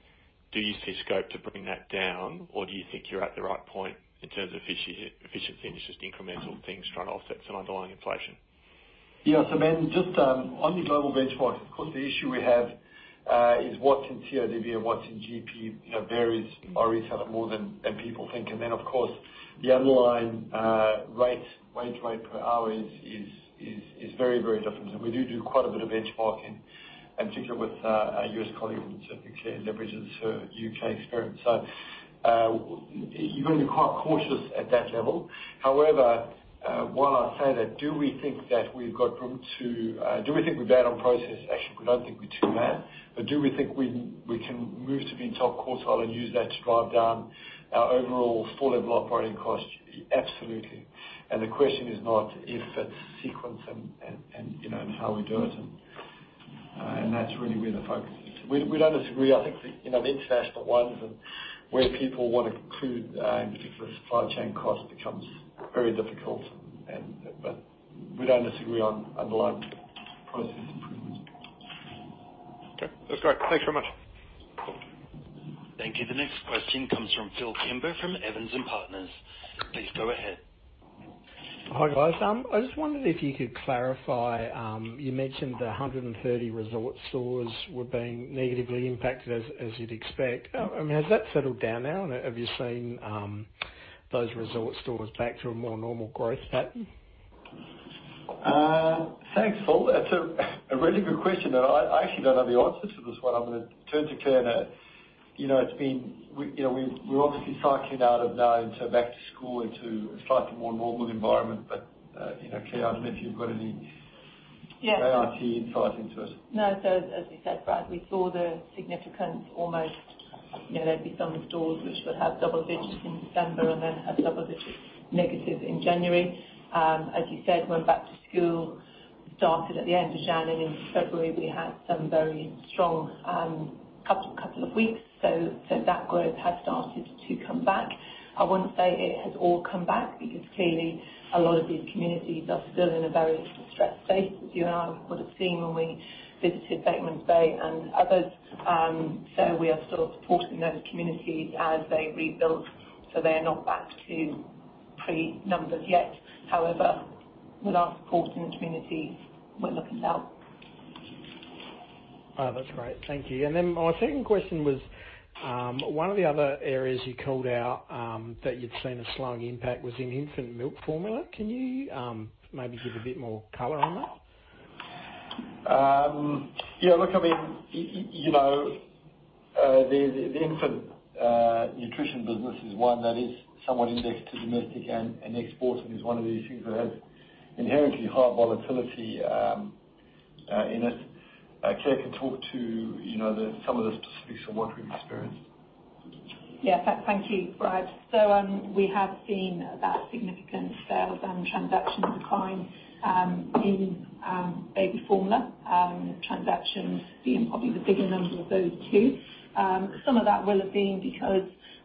S14: do you see scope to bring that down, or do you think you're at the right point in terms of efficiency, and it's just incremental things trying to offset some underlying inflation?
S2: Yeah. So Ben, just on the global benchmark, of course, the issue we have is what's in CODB and what's in GP, you know, varies by retailer more than people think. And then, of course, the underlying rate, wage rate per hour is very, very different. And we do quite a bit of benchmarking, and particularly with our U.S. colleagues, which I think Claire leverages her U.K. experience. So you've got to be quite cautious at that level. However, while I say that, do we think that we've got room to? Do we think we're bad on process? Actually, we don't think we're too bad. But do we think we can move to be top quartile and use that to drive down our overall full level operating costs? Absolutely. The question is not if, it's sequence and, you know, and how we do it, and that's really where the focus is. We don't disagree. I think the, you know, the international ones and where people want to include, in particular, supply chain cost becomes very difficult, but we don't disagree on underlying process improvement.
S14: Okay. That's great. Thanks very much.
S1: Thank you. The next question comes from Phillip Kimber, from Evans and Partners. Please go ahead.
S15: Hi, guys. I just wondered if you could clarify. You mentioned the 130 resort stores were being negatively impacted, as you'd expect. I mean, has that settled down now? Have you seen those resort stores back to a more normal growth pattern?
S2: Thanks, Phil. That's a really good question, and I actually don't know the answer to this one. I'm gonna turn to Claire now. You know, it's been... We, you know, we've obviously cycling out of now into back to school, into a slightly more normal environment. But, you know, Claire, I don't know if you've got any-
S5: Yeah.
S2: Any insight into it.
S5: No. So, as you said, Brad, we saw the significant, almost, you know, there'd be some stores which would have double digits in December and then have double digits negative in January. As you said, when back to school started at the end of January, in February, we had some very strong couple of weeks. So that growth has started to come back. I wouldn't say it has all come back, because clearly a lot of these communities are still in a very stressed space, as you and I would have seen when we visited Batemans Bay and others. So we are still supporting those communities as they rebuild, so they are not back to pre numbers yet. However, with our support in the communities, we're looking up.
S15: Oh, that's great. Thank you. And then my second question was, one of the other areas you called out, that you'd seen a slowing impact was in infant milk formula. Can you, maybe give a bit more color on that?
S2: Yeah, look, I mean, you know, the infant nutrition business is one that is somewhat indexed to domestic and export, and is one of the issues that has inherently high volatility in it. Claire can talk to, you know, some of the specifics on what we've experienced.
S5: Yeah. Thank you, Brad. So, we have seen that significant sales and transaction decline in baby formula, transactions being probably the bigger number of those two. Some of that will have been because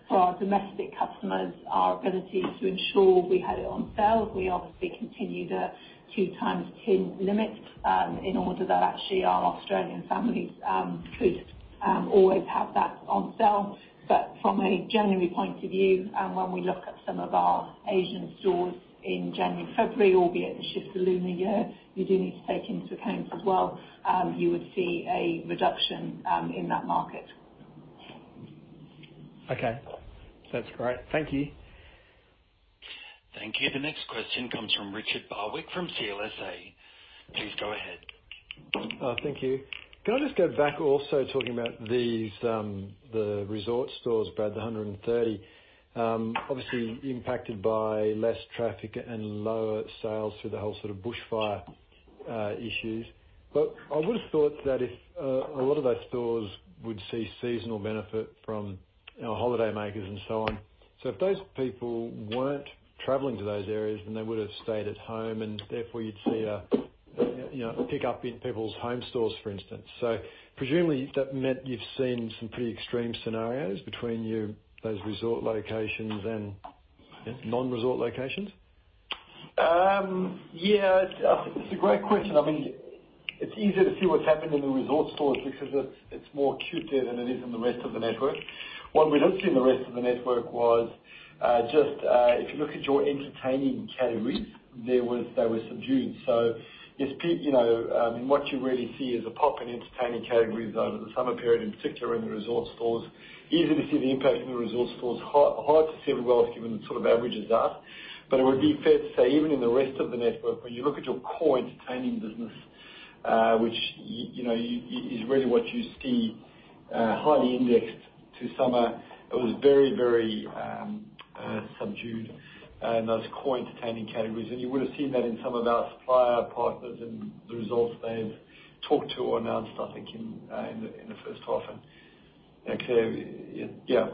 S5: for our domestic customers, our ability to ensure we had it on sale, we obviously continued a two-tin limit in order that actually our Australian families could always have that on sale. But from a January point of view, and when we look at some of our Asian stores in January, February, albeit it's just the Lunar New Year, you do need to take into account as well, you would see a reduction in that market.
S15: Okay. That's great. Thank you.
S1: Thank you. The next question comes from Richard Barwick, from CLSA. Please go ahead.
S16: Thank you. Can I just go back, also, talking about these, the resort stores, Brad, the 130, obviously impacted by less traffic and lower sales through the whole sort of bushfire issues. But I would've thought that if a lot of those stores would see seasonal benefit from, you know, holidaymakers and so on. So if those people weren't traveling to those areas, then they would've stayed at home, and therefore you'd see a, you know, pick up in people's home stores, for instance. So presumably that meant you've seen some pretty extreme scenarios between your, those resort locations and non-resort locations?...
S2: Yeah, it's a great question. I mean, it's easier to see what's happened in the resort stores because it's more acute there than it is in the rest of the network. What we don't see in the rest of the network was just if you look at your entertaining categories, there was. They were subdued. So there's, you know, what you really see is a pop in entertaining categories over the summer period, in particular in the resort stores. Easy to see the impact in the resort stores. Hard to see it well, given the sort of averages are. But it would be fair to say, even in the rest of the network, when you look at your core entertaining business, which you know is really what you see, highly indexed to summer, it was very, very subdued in those core entertaining categories. And you would've seen that in some of our supplier partners and the results they've talked to or announced, I think, in the first half. And yeah, yeah.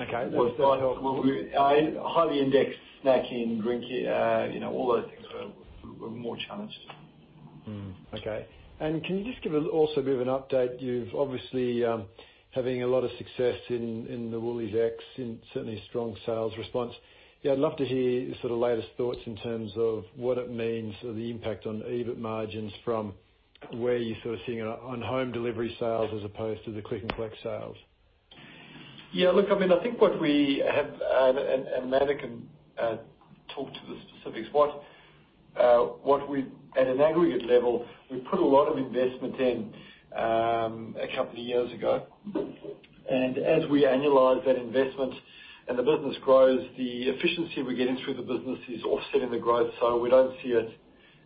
S16: Okay.
S2: We highly indexed snacking, drinking, you know, all those things were more challenged.
S16: Okay. And can you just give a also a bit of an update? You've obviously having a lot of success in the WooliesX, certainly strong sales response. Yeah, I'd love to hear sort of latest thoughts in terms of what it means or the impact on EBIT margins from where you're sort of seeing on home delivery sales as opposed to the click and collect sales.
S2: Yeah, look, I mean, I think what we have, and Amanda can talk to the specifics. At an aggregate level, we put a lot of investment in a couple of years ago. And as we annualize that investment and the business grows, the efficiency we're getting through the business is offsetting the growth. So we don't see it,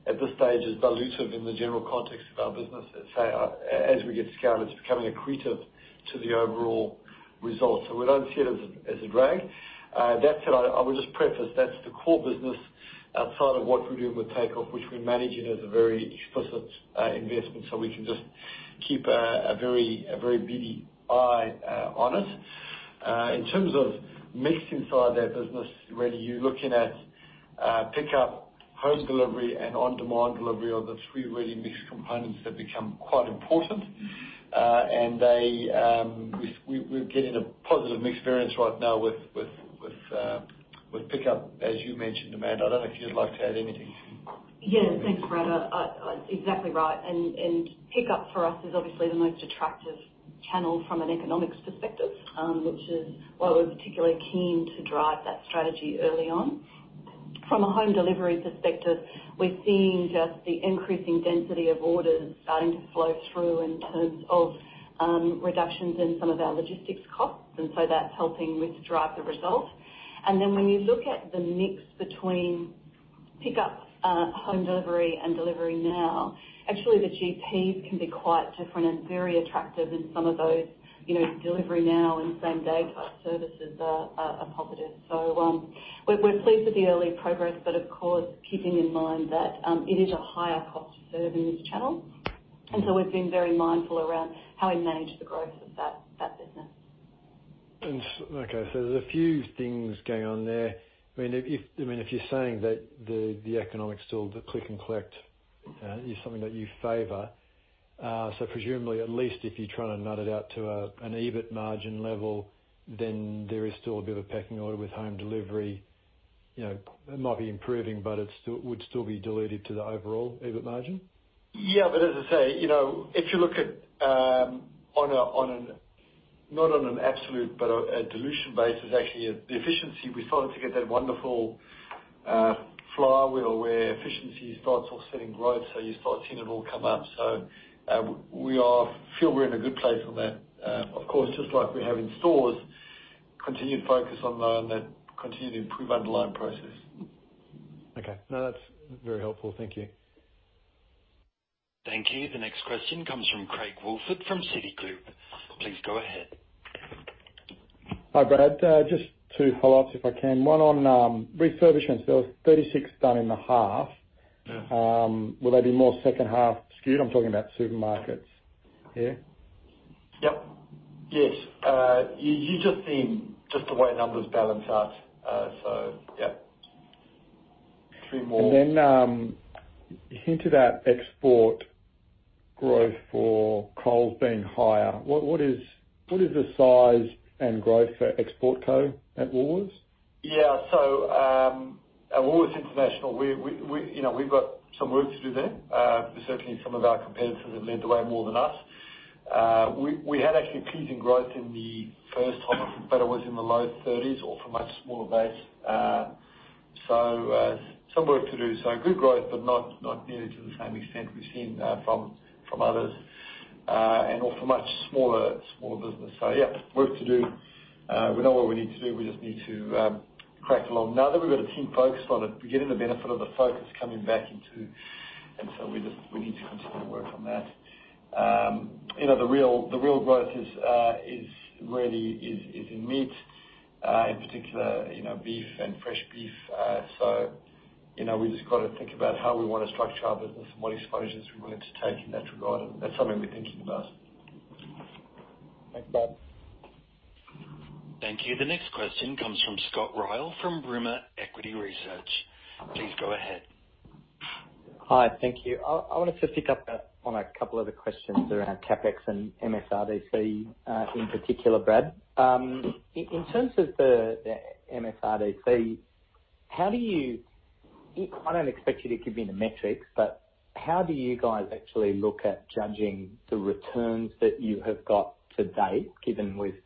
S2: at this stage, as dilutive in the general context of our business. As we get scale, it's becoming accretive to the overall results. So we don't see it as a drag. That said, I would just preface, that's the core business outside of what we do with Takeoff, which we manage it as a very explicit investment, so we can just keep a very beady eye on it. In terms of mix inside that business, really you're looking at pickup, home delivery, and on-demand delivery are the three really mixed components that become quite important. We're getting a positive mix experience right now with pickup, as you mentioned, Amanda. I don't know if you'd like to add anything.
S11: Yeah, thanks, Brad. Exactly right, and pickup for us is obviously the most attractive channel from an economics perspective, which is why we're particularly keen to drive that strategy early on. From a home delivery perspective, we're seeing just the increasing density of orders starting to flow through in terms of reductions in some of our logistics costs, and so that's helping with drive the result. And then when you look at the mix between pickup, home delivery, and Delivery Now, actually the GPs can be quite different and very attractive in some of those, you know, Delivery Now and same-day type services are positive. So, we're pleased with the early progress, but of course, keeping in mind that it is a higher cost to serve in this channel. We've been very mindful around how we manage the growth of that business.
S16: And okay, so there's a few things going on there. I mean, if you're saying that the economics still, the click-and-collect, is something that you favor, so presumably, at least if you're trying to nut it out to an EBIT margin level, then there is still a bit of a pecking order with home delivery. You know, it might be improving, but it's still, would still be dilutive to the overall EBIT margin?
S2: Yeah, but as I say, you know, if you look at, on a, on an, not on an absolute but a, a dilution basis, actually the efficiency, we're starting to get that wonderful, flywheel where efficiency starts offsetting growth, so you start seeing it all come up. So, we are, feel we're in a good place on that. Of course, just like we have in stores, continued focus on, on that continued improved underlying process.
S16: Okay. No, that's very helpful. Thank you.
S1: Thank you. The next question comes from Craig Woolford from Citigroup. Please go ahead.
S17: Hi, Brad. Just two follow-ups, if I can. One on refurbishments. There was 36 done in the half.
S2: Yeah.
S17: Will they be more second half skewed? I'm talking about supermarkets here.
S2: Yep. Yes. You're just seeing just the way numbers balance out. So yeah. Three more.
S17: You hinted at export growth for Coles being higher. What is the size and growth for Export Co. at Woolworths?
S2: Yeah. So, at Woolworths International, we, you know, we've got some work to do there. Certainly some of our competitors have led the way more than us. We had actually pleasing growth in the first half, but it was in the low thirties or from a much smaller base. So, some work to do. So good growth, but not nearly to the same extent we've seen from others, and also much smaller business. So yeah, work to do. We know what we need to do, we just need to crack along. Now that we've got a team focused on it, we're getting the benefit of the focus coming back into... And so we just, we need to continue to work on that. You know, the real growth is really in meat, in particular, you know, beef and fresh beef, so you know, we've just got to think about how we want to structure our business and what exposures we're willing to take in that regard, and that's something we're thinking about.
S17: Thanks, Brad.
S1: Thank you. The next question comes from Scott Ryall, from Rimor Equity Research. Please go ahead....
S18: Hi, thank you. I wanted to just pick up on a couple other questions around CapEx and MSRDC, in particular, Brad. In terms of the MSRDC, how do you—I don't expect you to give me the metrics, but how do you guys actually look at judging the returns that you have got to date, given it's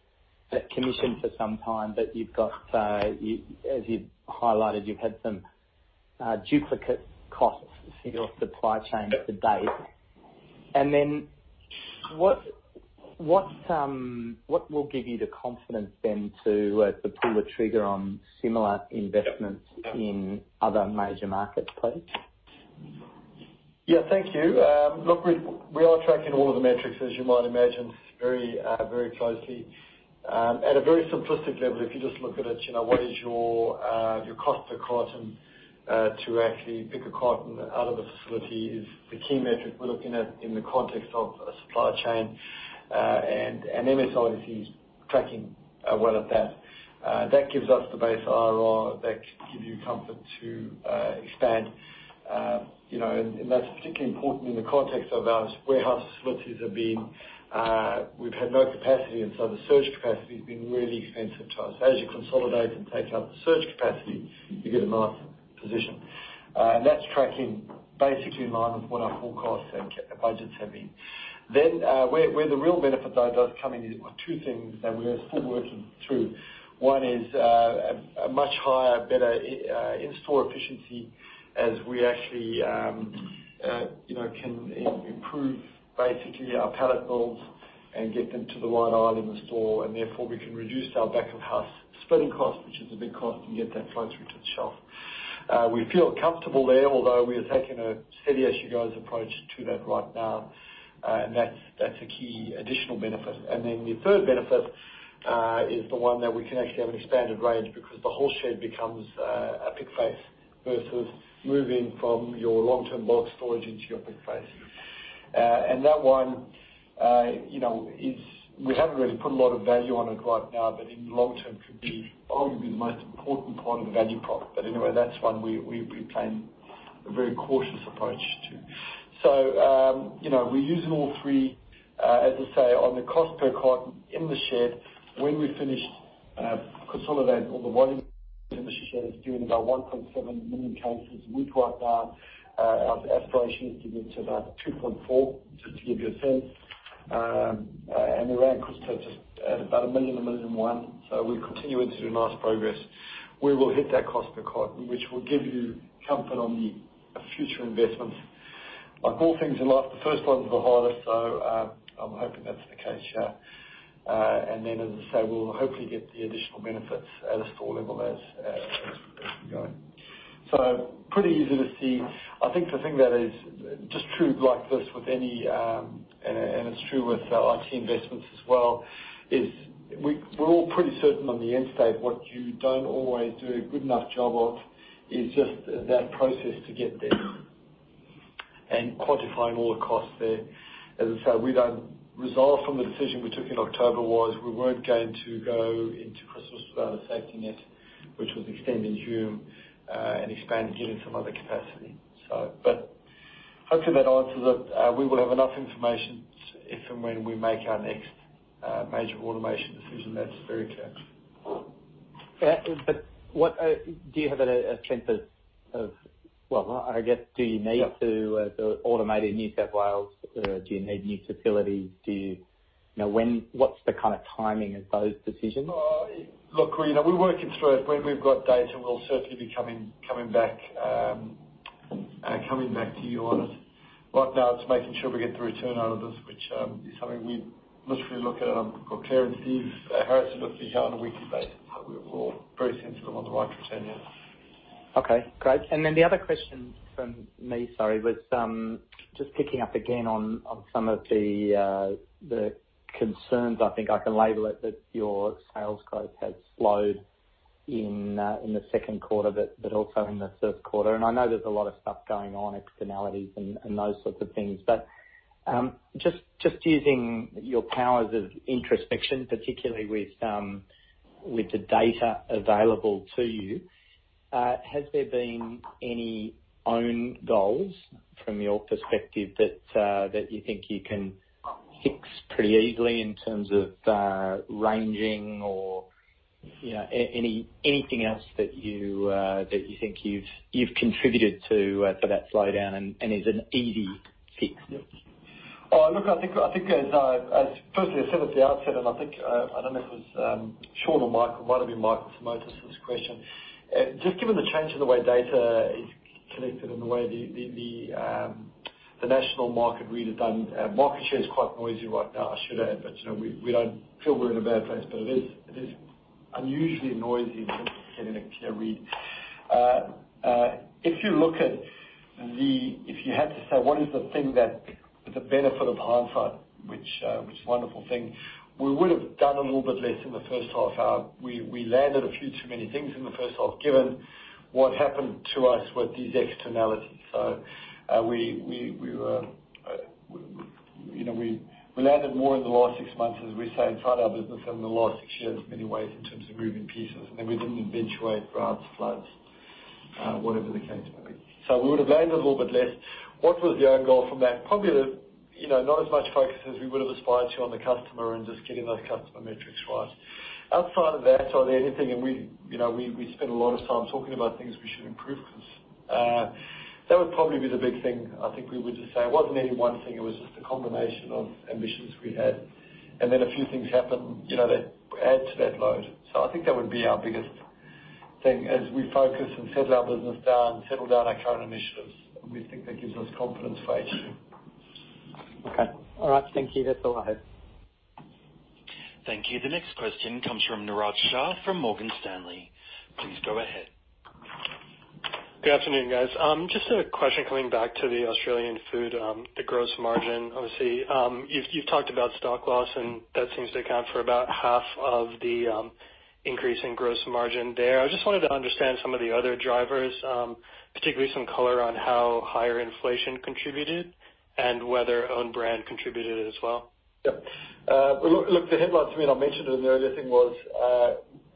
S18: been in commission for some time, that you've got, as you've highlighted, you've had some duplicate costs in your supply chain to date? And then what will give you the confidence then to pull the trigger on similar investments in other major markets, please?
S2: Yeah. Thank you. Look, we are tracking all of the metrics, as you might imagine, very, very closely. At a very simplistic level, if you just look at it, you know, what is your, your cost per carton, to actually pick a carton out of a facility is the key metric we're looking at in the context of a supply chain. And, and MSRDC is tracking, well at that. That gives us the base IRR that gives you comfort to, expand. You know, and, and that's particularly important in the context of our warehouse facilities have been... We've had no capacity, and so the surge capacity has been really expensive to us. As you consolidate and take up the surge capacity, you get a nice position. And that's tracking basically in line with what our full costs and budgets have been. Then, where the real benefit though does come in are two things that we are still working through. One is a much higher, better in-store efficiency as we actually you know can improve basically our pallet builds and get them to the right aisle in the store, and therefore we can reduce our back-of-house splitting cost, which is a big cost, and get that flow through to the shelf. We feel comfortable there, although we are taking a steady-as-you-go approach to that right now, and that's a key additional benefit. And then the third benefit is the one that we can actually have an expanded range, because the whole shed becomes a pick face versus moving from your long-term bulk storage into your pick face. And that one, you know, is. We haven't really put a lot of value on it right now, but in the long term could be, probably be the most important part of the value prop. But anyway, that's one we plan a very cautious approach to. So, you know, we're using all three, as I say, on the cost per carton in the shed. When we finished consolidating all the volume in the shed, it's doing about 1.7 million cases a week right now. Our aspiration is to get to about 2.4, just to give you a sense. And we're around cost just at about 1 million, 1 million and one. So we're continuing to do nice progress. We will hit that cost per carton, which will give you comfort on the future investments. Like all things in life, the first one's the hardest, so I'm hoping that's the case here. And then, as I say, we'll hopefully get the additional benefits at a store level as we go. So pretty easy to see. I think the thing that is just true like this with any, and it's true with our IT investments as well, is we're all pretty certain on the end state. What you don't always do a good enough job of is just that process to get there and quantifying all the costs there. As I said, we don't. Result from the decision we took in October was, we weren't going to go into Christmas without a safety net, which was extended to June, and expanded again in some other capacity. So but hopefully that answers it. We will have enough information if and when we make our next major automation decision, that's very clear.
S18: But what do you have a sense of? Well, I guess, do you need to automate in New South Wales? Do you need new facilities? Do you, you know, what's the kind of timing of those decisions?
S2: Look, you know, we're working through it. When we've got data, we'll certainly be coming back to you on it. Right now, it's making sure we get the return out of this, which is something we literally look at on a weekly basis. But we're all very sensible on the right direction.
S18: Okay, great. And then the other question from me, sorry, was just picking up again on some of the concerns, I think I can label it, that your sales growth has slowed in the second quarter, but also in the third quarter. And I know there's a lot of stuff going on, externalities and those sorts of things. But just using your powers of introspection, particularly with the data available to you, has there been any own goals from your perspective that you think you can fix pretty easily in terms of ranging or you know, anything else that you think you've contributed to that slowdown and is an easy fix?
S2: Oh, look, I think as I firstly said at the outset, and I think I don't know if it was Sean or Michael, might have been Michael who submitted this question. Just given the change in the way data is collected and the way the national market research done, market share is quite noisy right now, I should add. But you know, we don't feel we're in a bad place, but it is unusually noisy in terms of getting a clear read. If you look at the... If you had to say, what is the thing with the benefit of hindsight, which is a wonderful thing, we would have done a little bit less in the first half hour. We landed a few too many things in the first half, given what happened to us with these externalities. So, we landed more in the last six months, as we say, in front of our business than in the last six years in many ways, in terms of moving pieces, and then we didn't eventuate droughts, floods, whatever the case may be. So we would have landed a little bit less. What was the end goal from that? Probably, you know, not as much focus as we would have aspired to on the customer and just getting those customer metrics right. Outside of that, are there anything, and we, you know, we spent a lot of time talking about things we should improve, because that would probably be the big thing I think we would just say. It wasn't any one thing, it was just a combination of ambitions we had, and then a few things happened, you know, that add to that load. So I think that would be our biggest thing as we focus and settle our business down, settle down our current initiatives, and we think that gives us confidence for next year.
S18: Okay. All right. Thank you. That's all I have.
S1: Thank you. The next question comes from Niraj Shah from Morgan Stanley. Please go ahead.
S19: Good afternoon, guys. Just a question coming back to the Australian Food, the gross margin, obviously. You've talked about stock loss, and that seems to account for about half of the increase in gross margin there. I just wanted to understand some of the other drivers, particularly some color on how higher inflation contributed and whether own brand contributed as well.
S2: Yep. Look, the headline to me, and I mentioned it in the earlier thing, was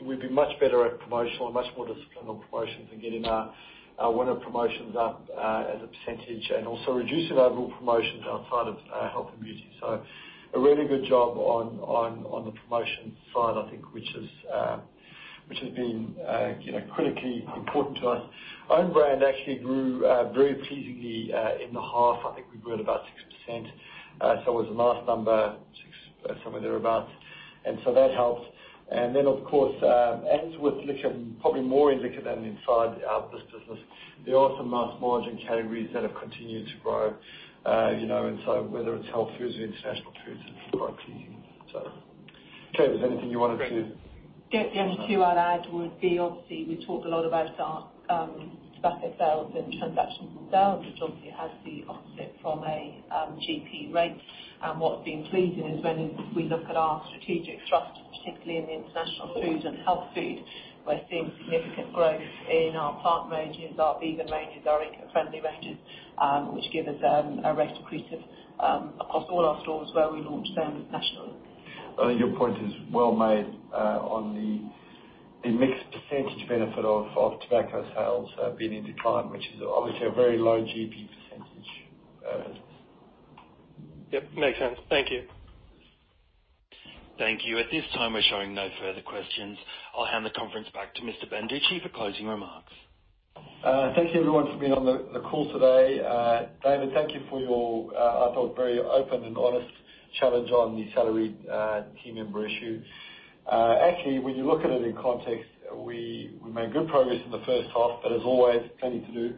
S2: we'd be much better at promotional and much more disciplined on promotions and getting our winter promotions up as a percentage, and also reducing our overall promotions outside of health and beauty. So a really good job on the promotion side, I think, which is which has been, you know, critically important to us. Own brand actually grew very pleasingly in the half. I think we grew at about 6%. So it was a nice number, six, somewhere thereabout. And so that helped. And then, of course, as with liquor, probably more in liquor than inside our business, there are some niche margin categories that have continued to grow, you know, and so whether it's health foods or international foods, it's grown pleasing. So Kate, is there anything you wanted to-
S5: The only thing I'd add would be, obviously, we talk a lot about our tobacco sales and transactions and sales, which obviously has the opposite from a GP rate. And what has been pleasing is when we look at our strategic thrust, particularly in the international food and health food, we're seeing significant growth in our plant ranges, our vegan ranges, our eco-friendly ranges, which give us a rate accretive across all our stores where we launched them nationally.
S2: I think your point is well made, on the mixed percentage benefit of tobacco sales being in decline, which is obviously a very low GP percentage business.
S19: Yep, makes sense. Thank you.
S1: Thank you. At this time, we're showing no further questions. I'll hand the conference back to Mr. Banducci for closing remarks.
S2: Thank you, everyone, for being on the call today. David, thank you for your, I thought, very open and honest challenge on the salaried team member issue. Actually, when you look at it in context, we made good progress in the first half, but as always, plenty to do.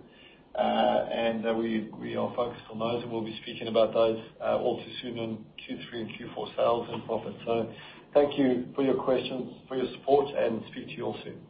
S2: We are focused on those, and we'll be speaking about those, all too soon in Q3 and Q4 sales and profits. So thank you for your questions, for your support, and speak to you all soon.